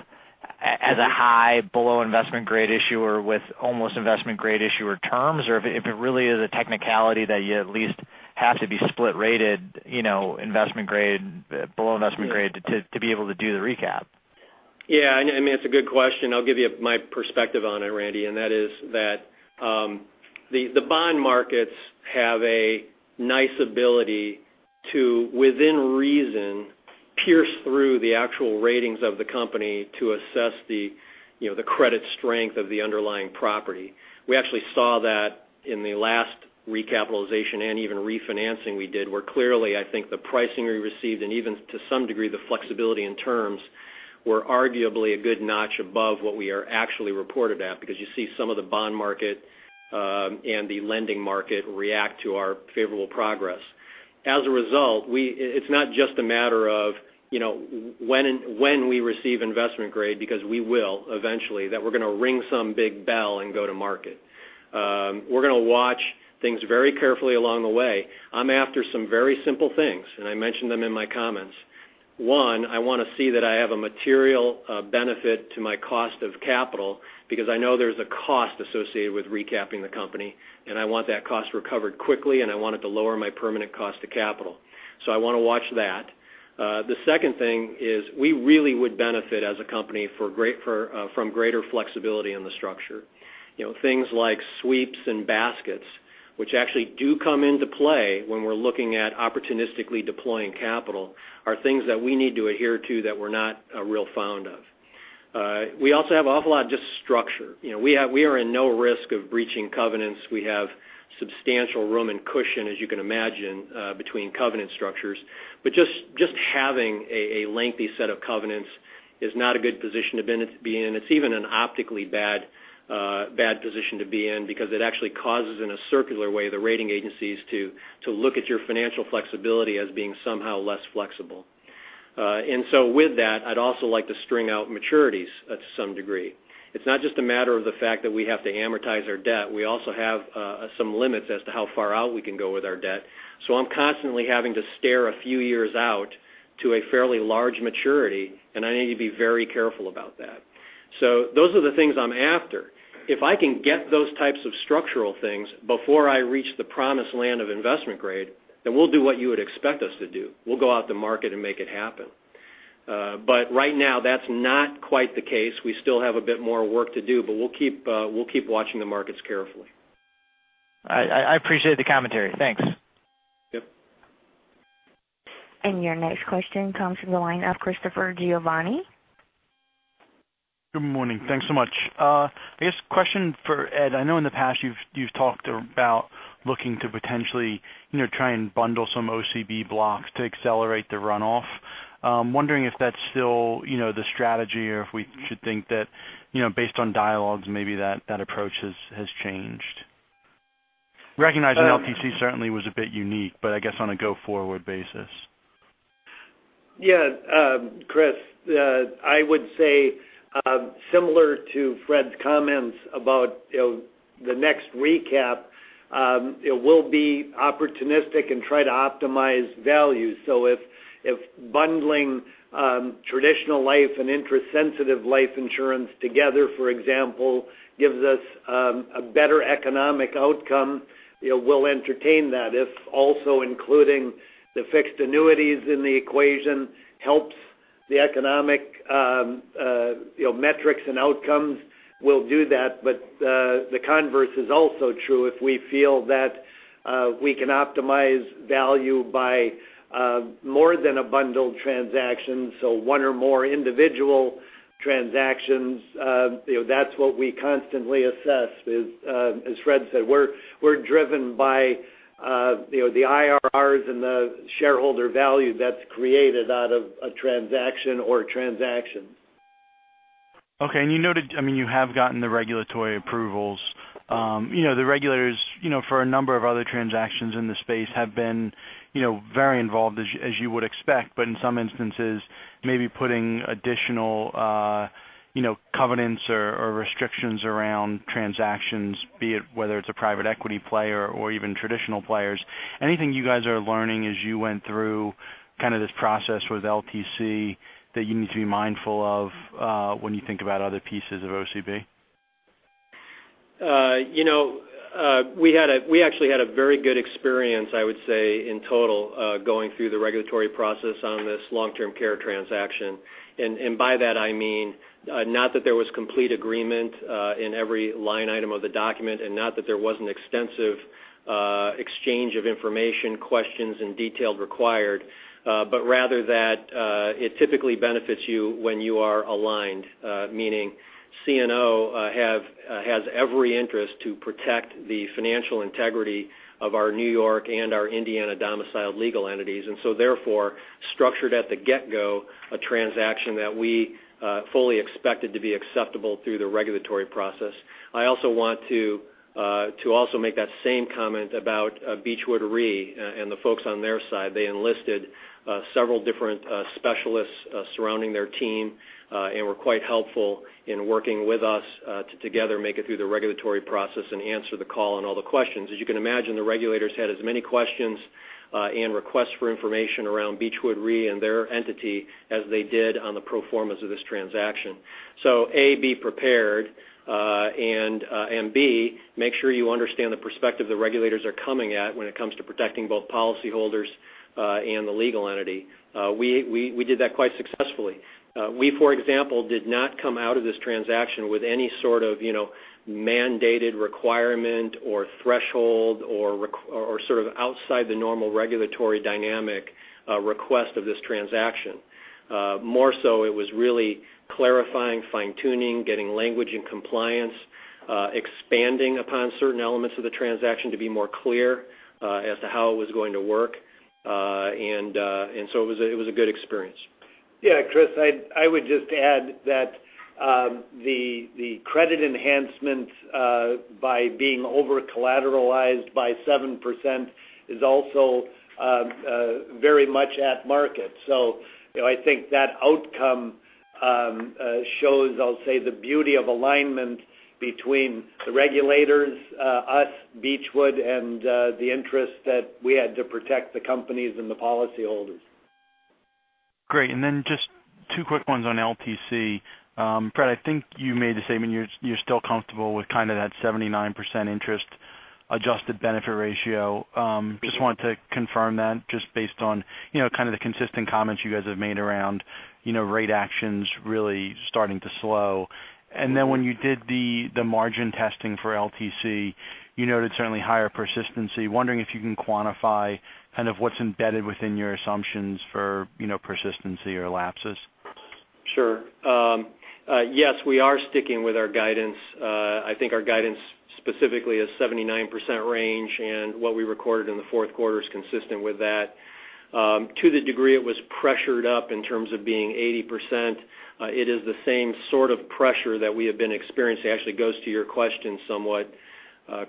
as a high below investment-grade issuer with almost investment-grade issuer terms, or if it really is a technicality that you at least have to be split-rated below investment grade to be able to do the recap. I mean, it's a good question. I'll give you my perspective on it, Randy, that is that the bond markets have a nice ability to, within reason, pierce through the actual ratings of the company to assess the credit strength of the underlying property. We actually saw that in the last recapitalization and even refinancing we did, where clearly, I think the pricing we received, and even to some degree, the flexibility and terms were arguably a good notch above what we are actually reported at because you see some of the bond market and the lending market react to our favorable progress. As a result, it's not just a matter of when we receive investment grade, because we will eventually, that we're going to ring some big bell and go to market. We're going to watch things very carefully along the way. I'm after some very simple things, I mentioned them in my comments. One, I want to see that I have a material benefit to my cost of capital because I know there's a cost associated with recapping the company, I want that cost recovered quickly, I want it to lower my permanent cost to capital. I want to watch that. The second thing is we really would benefit as a company from greater flexibility in the structure. Things like sweeps and baskets, which actually do come into play when we're looking at opportunistically deploying capital, are things that we need to adhere to that we're not real fond of. We also have awful lot just structure. We are in no risk of breaching covenants. We have substantial room and cushion, as you can imagine between covenant structures. Just having a lengthy set of covenants is not a good position to be in. It's even an optically bad position to be in because it actually causes in a circular way the rating agencies to look at your financial flexibility as being somehow less flexible. With that, I'd also like to string out maturities to some degree. It's not just a matter of the fact that we have to amortize our debt. We also have some limits as to how far out we can go with our debt. I'm constantly having to stare a few years out to a fairly large maturity, and I need to be very careful about that. Those are the things I'm after. If I can get those types of structural things before I reach the promised land of investment grade, we'll do what you would expect us to do. We'll go out to market and make it happen. Right now, that's not quite the case. We still have a bit more work to do, but we'll keep watching the markets carefully. I appreciate the commentary. Thanks. Yep. Your next question comes from the line of Christopher Giovanni. Good morning. Thanks so much. I guess question for Ed. I know in the past you've talked about looking to potentially try and bundle some OCB blocks to accelerate the runoff. I'm wondering if that's still the strategy or if we should think that based on dialogues, maybe that approach has changed. Recognizing LTC certainly was a bit unique, but I guess on a go-forward basis. Yeah. Chris, I would say, similar to Fred's comments about the next recap, it will be opportunistic and try to optimize value. If bundling traditional life and interest-sensitive life insurance together, for example, gives us a better economic outcome, we'll entertain that. If also including the fixed annuities in the equation helps the economic metrics and outcomes, we'll do that. The converse is also true if we feel that we can optimize value by more than a bundled transaction, so one or more individual transactions, that's what we constantly assess is, as Fred said, we're driven by the IRRs and the shareholder value that's created out of a transaction or transactions. Okay. You noted, you have gotten the regulatory approvals. The regulators for a number of other transactions in the space have been very involved as you would expect, but in some instances, maybe putting additional covenants or restrictions around transactions, be it whether it's a private equity player or even traditional players. Anything you guys are learning as you went through this process with LTC that you need to be mindful of when you think about other pieces of OCB? We actually had a very good experience, I would say, in total, going through the regulatory process on this long-term care transaction. By that I mean, not that there was complete agreement in every line item of the document and not that there wasn't extensive exchange of information, questions, and detail required, but rather that it typically benefits you when you are aligned, meaning CNO has every interest to protect the financial integrity of our New York and our Indiana domiciled legal entities, therefore, structured at the get-go a transaction that we fully expected to be acceptable through the regulatory process. I also want to also make that same comment about Beechwood Re and the folks on their side. They enlisted several different specialists surrounding their team, were quite helpful in working with us to together make it through the regulatory process and answer the call on all the questions. As you can imagine, the regulators had as many questions and requests for information around Beechwood Re and their entity as they did on the pro formas of this transaction. A, be prepared, and B, make sure you understand the perspective the regulators are coming at when it comes to protecting both policyholders and the legal entity. We did that quite successfully. We, for example, did not come out of this transaction with any sort of mandated requirement or threshold or outside the normal regulatory dynamic request of this transaction. More so it was really clarifying, fine-tuning, getting language and compliance, expanding upon certain elements of the transaction to be more clear as to how it was going to work. It was a good experience. Yeah, Chris, I would just add that the credit enhancement by being over collateralized by 7% is also very much at market. I think that outcome shows, I'll say, the beauty of alignment between the regulators, us, Beechwood, and the interest that we had to protect the companies and the policyholders. Great. Just two quick ones on LTC. Fred, I think you made the statement you're still comfortable with that 79% interest adjusted benefit ratio. Just wanted to confirm that just based on the consistent comments you guys have made around rate actions really starting to slow. When you did the margin testing for LTC, you noted certainly higher persistency. Wondering if you can quantify what's embedded within your assumptions for persistency or lapses. Sure. Yes, we are sticking with our guidance. I think our guidance specifically is 79% range, and what we recorded in the fourth quarter is consistent with that. To the degree it was pressured up in terms of being 80%, it is the same sort of pressure that we have been experiencing. Actually goes to your question somewhat,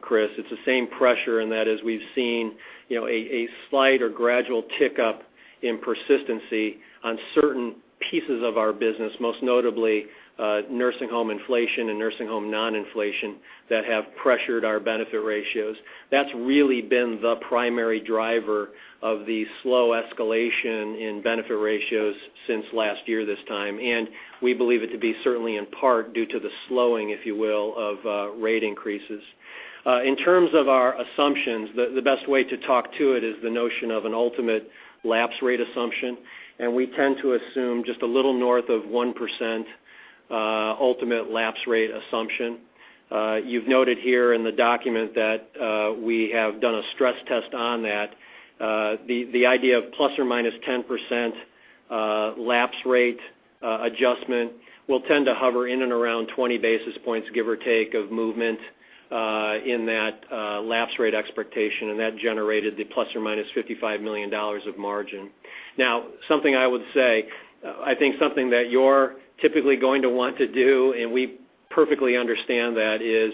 Chris. It's the same pressure in that as we've seen a slight or gradual tick up in persistency on certain pieces of our business, most notably, nursing home inflation and nursing home non-inflation that have pressured our benefit ratios. That's really been the primary driver of the slow escalation in benefit ratios since last year this time, and we believe it to be certainly in part due to the slowing, if you will, of rate increases. In terms of our assumptions, the best way to talk to it is the notion of an ultimate lapse rate assumption, and we tend to assume just a little north of 1% ultimate lapse rate assumption. You've noted here in the document that we have done a stress test on that. The idea of ±10% lapse rate adjustment will tend to hover in and around 20 basis points, give or take, of movement in that lapse rate expectation, and that generated the ±$55 million of margin. Something I would say, I think something that you're typically going to want to do, and we perfectly understand that, is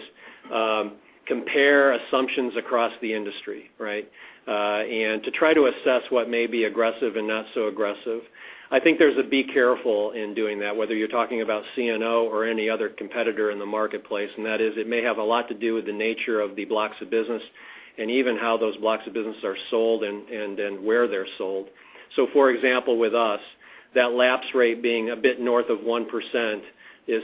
compare assumptions across the industry, right? To try to assess what may be aggressive and not so aggressive. I think there's a be careful in doing that, whether you're talking about CNO or any other competitor in the marketplace, and that is, it may have a lot to do with the nature of the blocks of business, and even how those blocks of business are sold and where they're sold. For example, with us, that lapse rate being a bit north of 1% is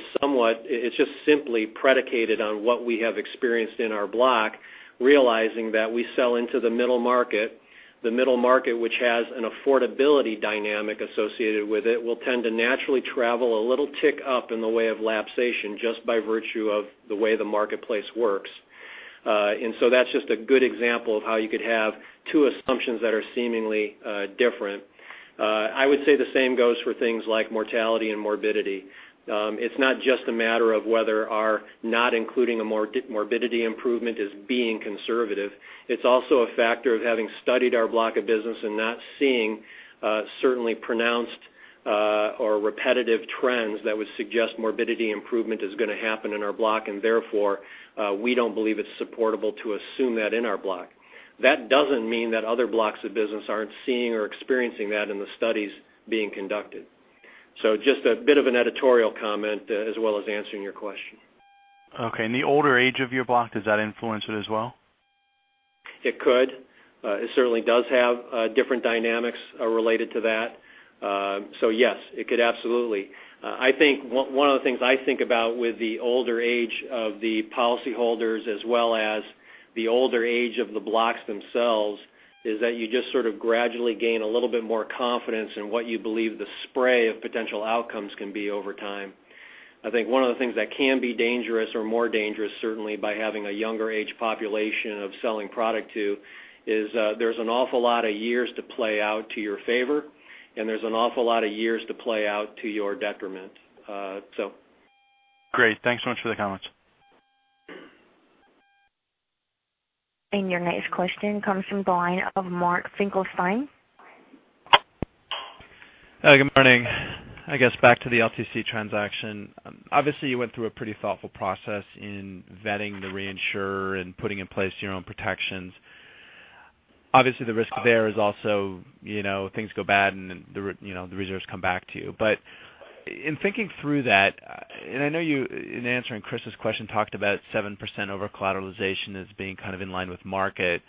just simply predicated on what we have experienced in our block, realizing that we sell into the middle market. The middle market, which has an affordability dynamic associated with it, will tend to naturally travel a little tick up in the way of lapsation just by virtue of the way the marketplace works. That's just a good example of how you could have two assumptions that are seemingly different. I would say the same goes for things like mortality and morbidity. It's not just a matter of whether our not including a morbidity improvement is being conservative. It's also a factor of having studied our block of business and not seeing certainly pronounced or repetitive trends that would suggest morbidity improvement is going to happen in our block, and therefore, we don't believe it's supportable to assume that in our block. That doesn't mean that other blocks of business aren't seeing or experiencing that in the studies being conducted. Just a bit of an editorial comment as well as answering your question. Okay. The older age of your block, does that influence it as well? It could. It certainly does have different dynamics related to that. Yes, it could absolutely. One of the things I think about with the older age of the policy holders as well as the older age of the blocks themselves, is that you just sort of gradually gain a little bit more confidence in what you believe the spray of potential outcomes can be over time. I think one of the things that can be dangerous or more dangerous, certainly by having a younger age population of selling product to, is there's an awful lot of years to play out to your favor, and there's an awful lot of years to play out to your detriment. Great. Thanks so much for the comments. Your next question comes from the line of Mark Finkelstein. Hi. Good morning. I guess back to the LTC transaction. Obviously, you went through a pretty thoughtful process in vetting the reinsurer and putting in place your own protections. Obviously, the risk there is also things go bad and the reserves come back to you. In thinking through that, and I know you, in answering Chris's question, talked about 7% over-collateralization as being kind of in line with market.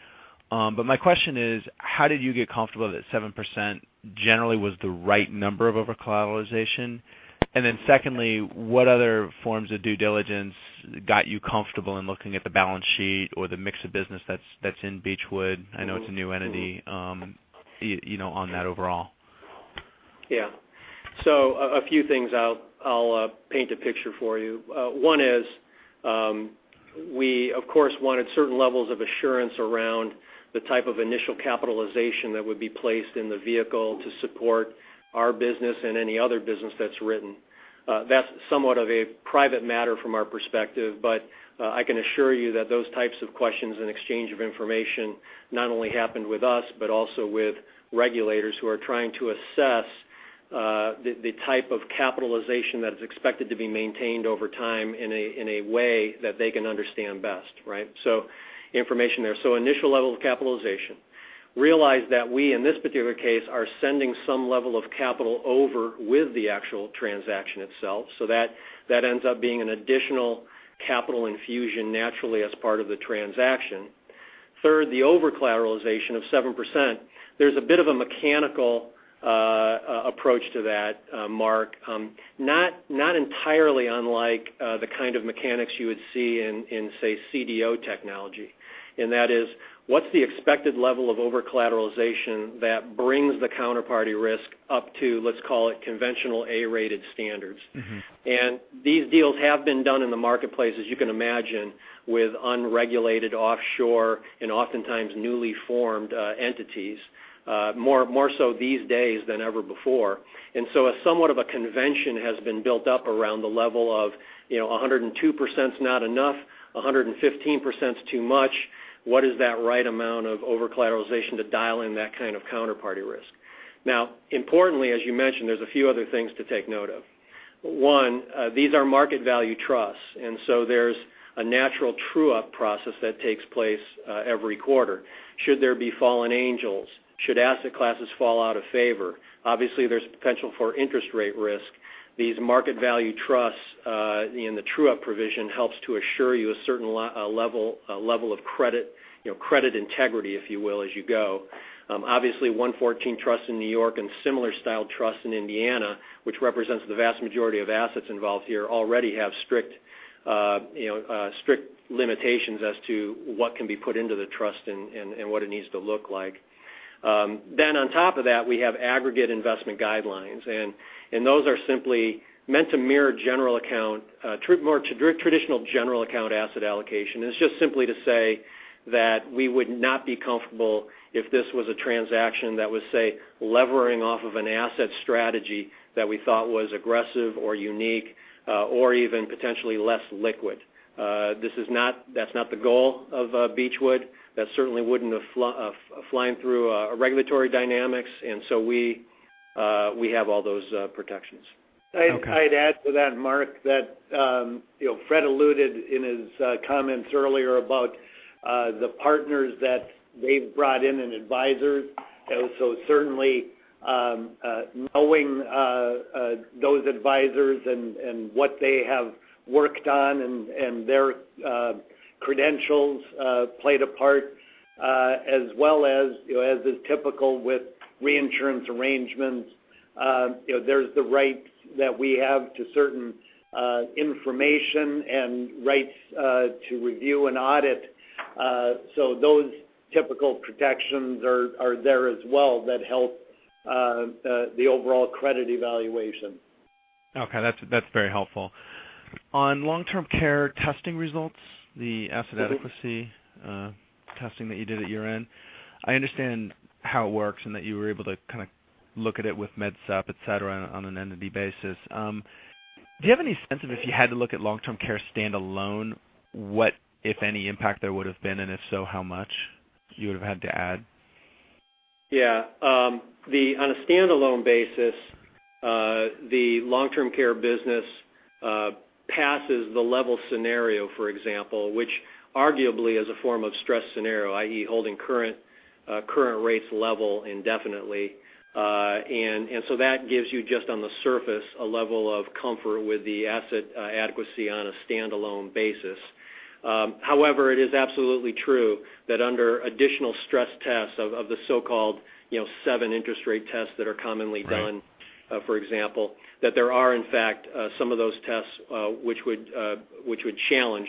My question is, how did you get comfortable that 7% generally was the right number of over-collateralization? Secondly, what other forms of due diligence got you comfortable in looking at the balance sheet or the mix of business that's in Beechwood, I know it's a new entity, on that overall? Yeah. A few things, I'll paint a picture for you. One is, we of course, wanted certain levels of assurance around the type of initial capitalization that would be placed in the vehicle to support our business and any other business that's written. That's somewhat of a private matter from our perspective, but I can assure you that those types of questions and exchange of information not only happened with us, but also with regulators who are trying to assess the type of capitalization that is expected to be maintained over time in a way that they can understand best, right? Information there. Initial level of capitalization. Realize that we, in this particular case, are sending some level of capital over with the actual transaction itself, so that ends up being an additional capital infusion naturally as part of the transaction. Third, the over-collateralization of 7%. There's a bit of a mechanical approach to that, Mark. Not entirely unlike the kind of mechanics you would see in, say, CDO technology, and that is, what's the expected level of over-collateralization that brings the counterparty risk up to, let's call it conventional A-rated standards. These deals have been done in the marketplace, as you can imagine, with unregulated offshore and oftentimes newly formed entities, more so these days than ever before. Somewhat of a convention has been built up around the level of 102% not enough, 115% too much. What is that right amount of over-collateralization to dial in that kind of counterparty risk? Now, importantly, as you mentioned, there's a few other things to take note of. One, these are market value trusts, and so there's a natural true-up process that takes place every quarter should there be fallen angels, should asset classes fall out of favor. Obviously, there's potential for interest rate risk. These market value trusts, in the true-up provision, helps to assure you a certain level of credit integrity, if you will, as you go. 114 Trust in New York and similar styled trusts in Indiana, which represents the vast majority of assets involved here, already have strict limitations as to what can be put into the trust and what it needs to look like. On top of that, we have aggregate investment guidelines, and those are simply meant to mirror traditional general account asset allocation. It's just simply to say that we would not be comfortable if this was a transaction that was, say, levering off of an asset strategy that we thought was aggressive or unique, or even potentially less liquid. That's not the goal of Beechwood. That certainly wouldn't have flown through regulatory dynamics. We have all those protections. Okay. I'd add to that, Mark, that Fred alluded in his comments earlier about the partners that they've brought in, and advisors. Certainly, knowing those advisors and what they have worked on, and their credentials played a part, as well as is typical with reinsurance arrangements, there's the rights that we have to certain information and rights to review and audit. Those typical protections are there as well, that help the overall credit evaluation. Okay. That's very helpful. On long-term care testing results, the asset adequacy testing that you did at year-end, I understand how it works and that you were able to kind of look at it with MedSup, et cetera, on an entity basis. Do you have any sense of, if you had to look at long-term care standalone, what, if any, impact there would've been, and if so, how much you would've had to add? Yeah. On a standalone basis, the long-term care business passes the level scenario, for example, which arguably is a form of stress scenario, i.e., holding current rates level indefinitely. That gives you, just on the surface, a level of comfort with the asset adequacy on a standalone basis. However, it is absolutely true that under additional stress tests of the so-called seven interest rate tests that are commonly done. Right for example, that there are, in fact, some of those tests which would challenge,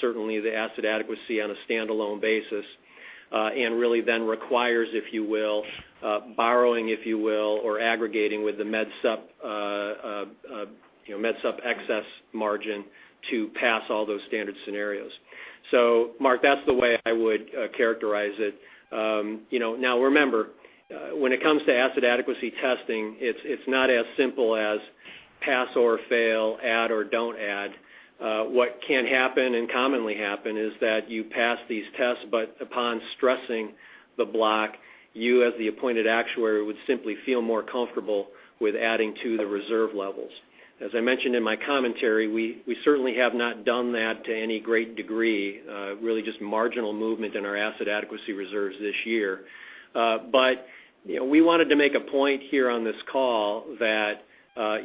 certainly, the asset adequacy on a standalone basis. Really requires, if you will, borrowing, if you will, or aggregating with the MedSup excess margin to pass all those standard scenarios. Mark, that's the way I would characterize it. Remember, when it comes to asset adequacy testing, it's not as simple as pass or fail, add or don't add. What can happen, and commonly happen, is that you pass these tests, but upon stressing the block, you as the appointed actuary would simply feel more comfortable with adding to the reserve levels. As I mentioned in my commentary, we certainly have not done that to any great degree, really just marginal movement in our asset adequacy reserves this year. We wanted to make a point here on this call that,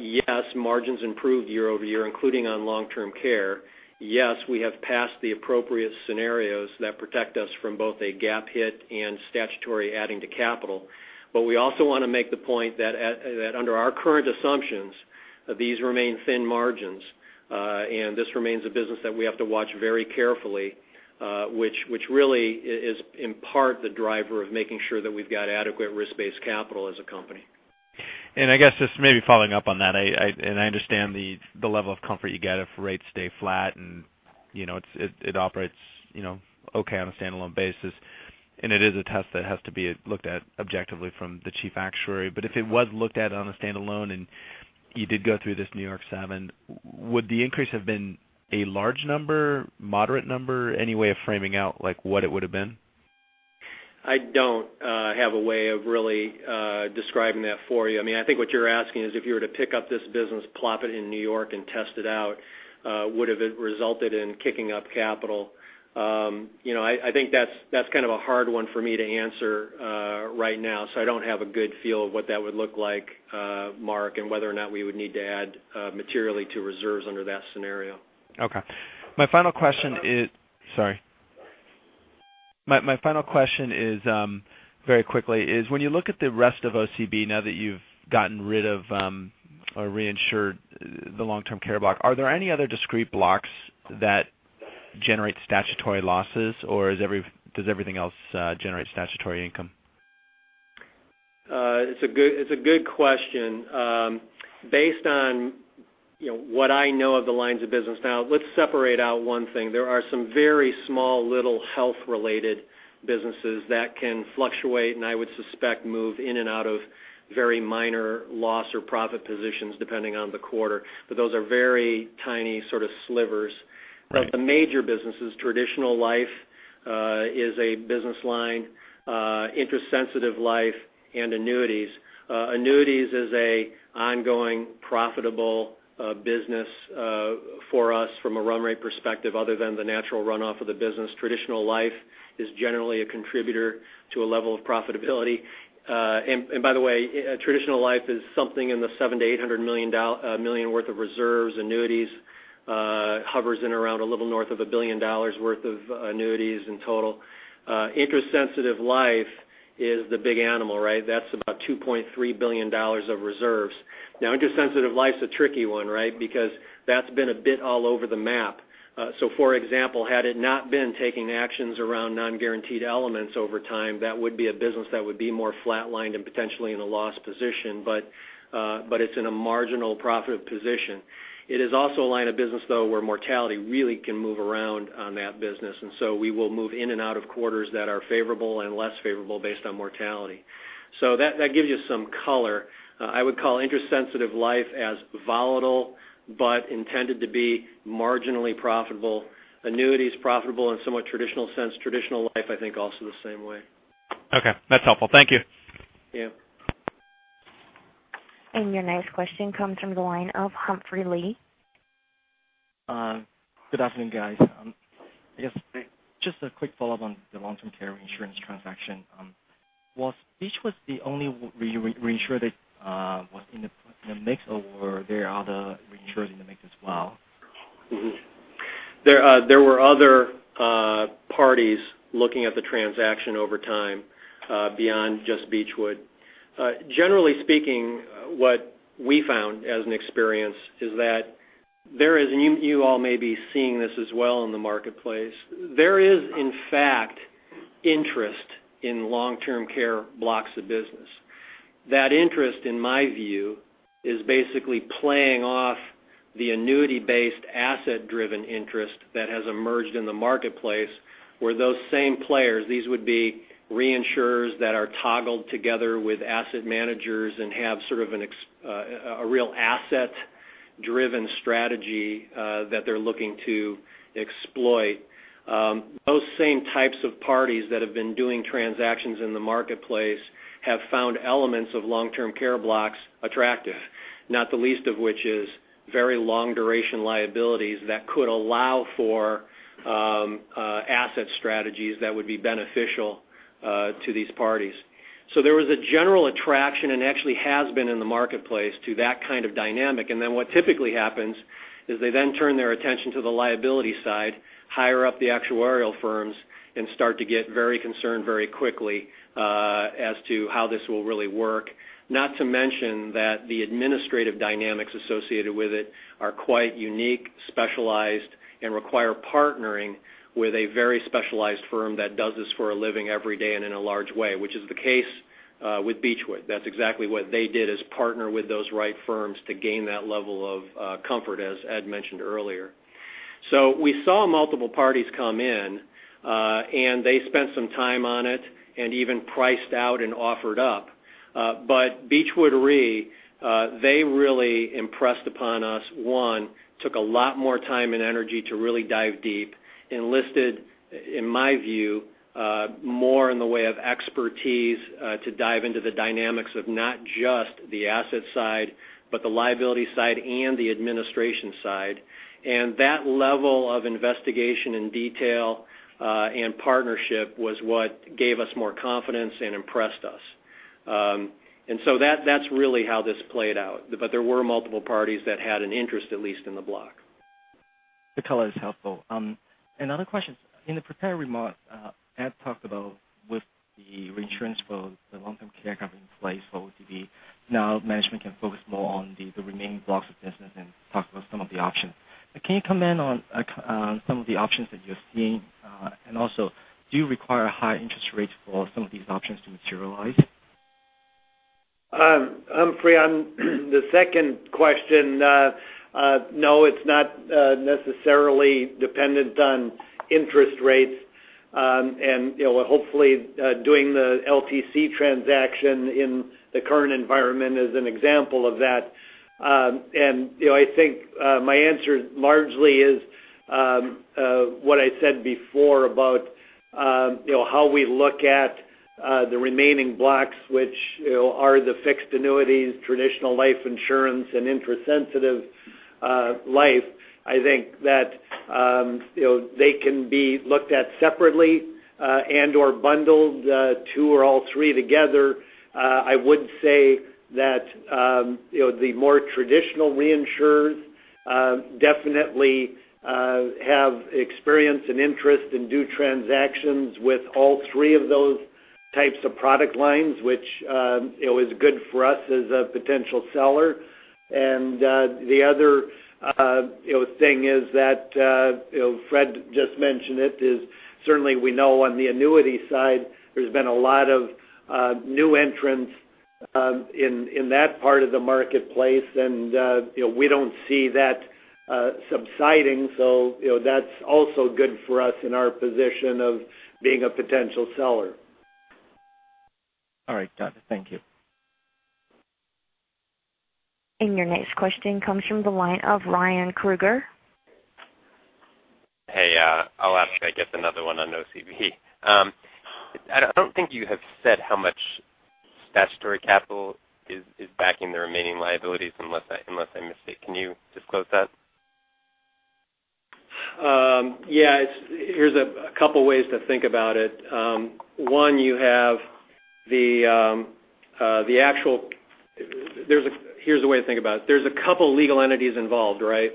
yes, margins improved year-over-year, including on long-term care. Yes, we have passed the appropriate scenarios that protect us from both a GAAP hit and statutory adding to capital. We also want to make the point that under our current assumptions, these remain thin margins, and this remains a business that we have to watch very carefully, which really is in part the driver of making sure that we've got adequate risk-based capital as a company. I guess just maybe following up on that, I understand the level of comfort you get if rates stay flat, it operates okay on a standalone basis, it is a test that has to be looked at objectively from the chief actuary. If it was looked at on a standalone, you did go through this New York seven, would the increase have been a large number, moderate number? Any way of framing out what it would've been? I don't have a way of really describing that for you. I think what you're asking is if you were to pick up this business, plop it in New York and test it out, would it have resulted in kicking up capital? I think that's kind of a hard one for me to answer right now, I don't have a good feel of what that would look like, Mark, and whether or not we would need to add materially to reserves under that scenario. Okay. My final question, very quickly, is when you look at the rest of OCB, now that you've gotten rid of or reinsured the long-term care block, are there any other discrete blocks that generate statutory losses, or does everything else generate statutory income? It's a good question. Based on what I know of the lines of business now, let's separate out one thing. There are some very small, little health-related businesses that can fluctuate, and I would suspect move in and out of very minor loss or profit positions depending on the quarter. Those are very tiny sort of slivers. Right. The major business is traditional life, is a business line, interest-sensitive life and annuities. Annuities is a ongoing profitable business for us from a run rate perspective other than the natural runoff of the business. Traditional life is generally a contributor to a level of profitability. By the way, traditional life is something in the $700 million-$800 million worth of reserves. Annuities hovers in around a little north of $1 billion worth of annuities in total. Interest-sensitive life is the big animal, right? That's about $2.3 billion of reserves. Interest-sensitive life's a tricky one, right? That's been a bit all over the map. For example, had it not been taking actions around non-guaranteed elements over time, that would be a business that would be more flatlined and potentially in a loss position. It's in a marginal profit position. It is also a line of business, though, where mortality really can move around on that business, and so we will move in and out of quarters that are favorable and less favorable based on mortality. That gives you some color. I would call interest-sensitive life as volatile but intended to be marginally profitable. Annuity is profitable in somewhat traditional sense. Traditional life, I think, also the same way. Okay. That's helpful. Thank you. Yeah. Your next question comes from the line of Humphrey Lee. Good afternoon, guys. I guess just a quick follow-up on the long-term care insurance transaction. Was Beechwood the only reinsurer that was in the mix, or were there other reinsurers in the mix as well? There were other parties looking at the transaction over time beyond just Beechwood. Generally speaking, what we found as an experience is that there is, and you all may be seeing this as well in the marketplace. There is, in fact, interest in long-term care blocks of business. That interest, in my view, is basically playing off the annuity-based, asset-driven interest that has emerged in the marketplace where those same players, these would be reinsurers that are toggled together with asset managers and have sort of a real asset-driven strategy that they're looking to exploit. Those same types of parties that have been doing transactions in the marketplace have found elements of long-term care blocks attractive, not the least of which is very long duration liabilities that could allow for asset strategies that would be beneficial to these parties. There was a general attraction and actually has been in the marketplace to that kind of dynamic. What typically happens is they then turn their attention to the liability side, higher up the actuarial firms, and start to get very concerned very quickly as to how this will really work. Not to mention that the administrative dynamics associated with it are quite unique, specialized, and require partnering with a very specialized firm that does this for a living every day and in a large way, which is the case with Beechwood. That's exactly what they did, is partner with those right firms to gain that level of comfort, as Ed mentioned earlier. We saw multiple parties come in, and they spent some time on it and even priced out and offered up. Beechwood Re, they really impressed upon us, one, took a lot more time and energy to really dive deep, enlisted, in my view, more in the way of expertise to dive into the dynamics of not just the asset side, but the liability side and the administration side. That level of investigation and detail, and partnership was what gave us more confidence and impressed us. That's really how this played out. There were multiple parties that had an interest, at least in the block. The color is helpful. Another question. In the prepared remarks, Ed talked about with the reinsurance for the long-term care company in place for OCB. Now management can focus more on the remaining blocks of business and talk about some of the options. Can you comment on some of the options that you're seeing? Also, do you require high interest rates for some of these options to materialize? Humphrey, on the second question, no, it's not necessarily dependent on interest rates. Hopefully, doing the LTC transaction in the current environment is an example of that. I think my answer largely is what I said before about how we look at the remaining blocks, which are the fixed annuities, traditional life insurance, and interest sensitive life. I think that they can be looked at separately and/or bundled two or all three together. I would say that the more traditional reinsurers definitely have experience and interest and do transactions with all three of those types of product lines, which is good for us as a potential seller. The other thing is that Fred just mentioned it, is certainly we know on the annuity side, there's been a lot of new entrants in that part of the marketplace, and we don't see that subsiding. That's also good for us in our position of being a potential seller. All right. Got it. Thank you. Your next question comes from the line of Ryan Krueger. Hey, I'll ask, I guess, another one on OCB. I don't think you have said how much statutory capital is backing the remaining liabilities, unless I missed it. Can you disclose that? Yeah. Here's a couple of ways to think about it. One, here's the way to think about it. There's a couple legal entities involved, right?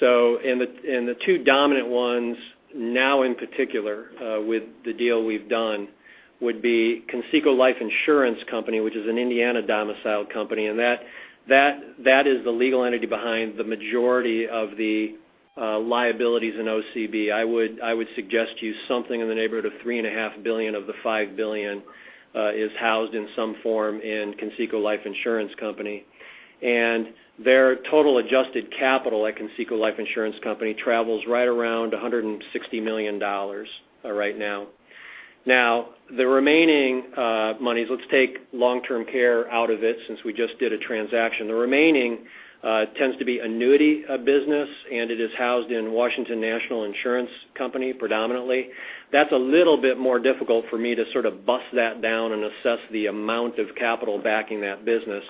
The two dominant ones now in particular, with the deal we've done, would be Conseco Life Insurance Company, which is an Indiana-domiciled company, and that is the legal entity behind the majority of the liabilities in OCB. I would suggest to you something in the neighborhood of $3.5 billion of the $5 billion is housed in some form in Conseco Life Insurance Company. Their total adjusted capital at Conseco Life Insurance Company travels right around $160 million right now. The remaining monies, let's take long-term care out of it since we just did a transaction. The remaining tends to be annuity business, and it is housed in Washington National Insurance Company, predominantly. That's a little bit more difficult for me to sort of bust that down and assess the amount of capital backing that business.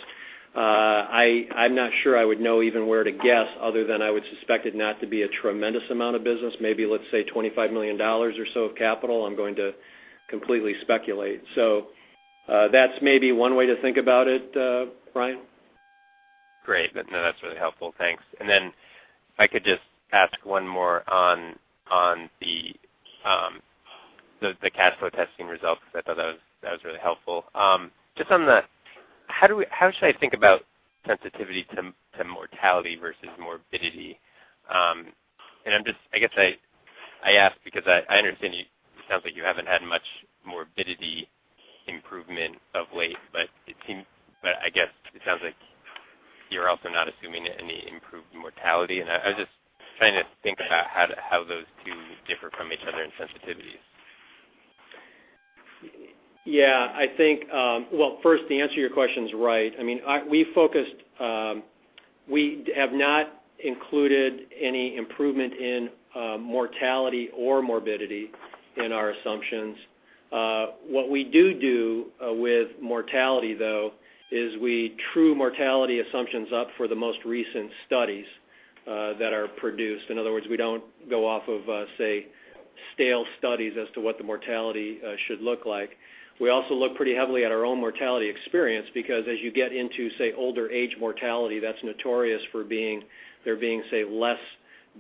I'm not sure I would know even where to guess other than I would suspect it not to be a tremendous amount of business. Maybe, let's say, $25 million or so of capital. I'm going to completely speculate. That's maybe one way to think about it, Ryan. Great. No, that's really helpful. Thanks. If I could just ask one more on the cash flow testing results because I thought that was really helpful. How should I think about sensitivity to mortality versus morbidity? I guess I ask because I understand it sounds like you haven't had much morbidity improvement of late, but I guess it sounds like you're also not assuming any improved mortality, and I was just trying to think about how those two differ from each other in sensitivities. Yeah. First, to answer your questions right. We have not included any improvement in mortality or morbidity in our assumptions. What we do do with mortality, though, is we true mortality assumptions up for the most recent studies that are produced. In other words, we don't go off of, say, stale studies as to what the mortality should look like. We also look pretty heavily at our own mortality experience because as you get into, say, older age mortality, that's notorious for there being, say, less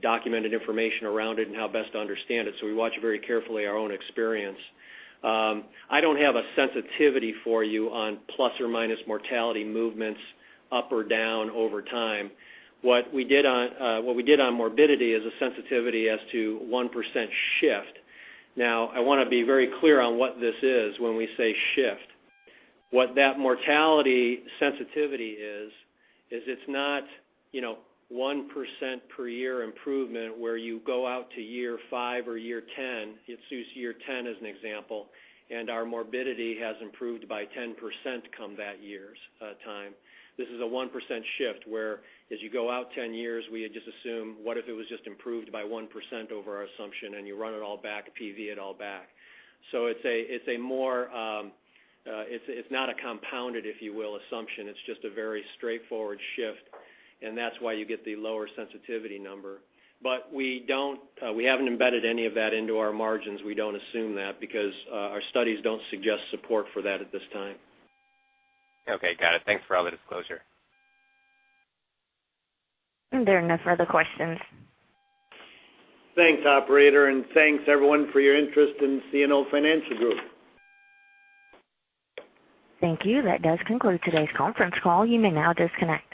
documented information around it and how best to understand it. We watch very carefully our own experience. I don't have a sensitivity for you on plus or minus mortality movements up or down over time. What we did on morbidity is a sensitivity as to 1% shift. I want to be very clear on what this is when we say shift. What that mortality sensitivity is, it's not 1% per year improvement where you go out to year five or year 10. Let's use year 10 as an example, and our morbidity has improved by 10% come that time. This is a 1% shift where as you go out 10 years, we just assume what if it was just improved by 1% over our assumption and you run it all back, PV it all back. It's not a compounded, if you will, assumption. It's just a very straightforward shift, and that's why you get the lower sensitivity number. We haven't embedded any of that into our margins. We don't assume that because our studies don't suggest support for that at this time. Okay, got it. Thanks for all the disclosure. There are no further questions. Thanks, operator, thanks everyone for your interest in CNO Financial Group. Thank you. That does conclude today's conference call. You may now disconnect.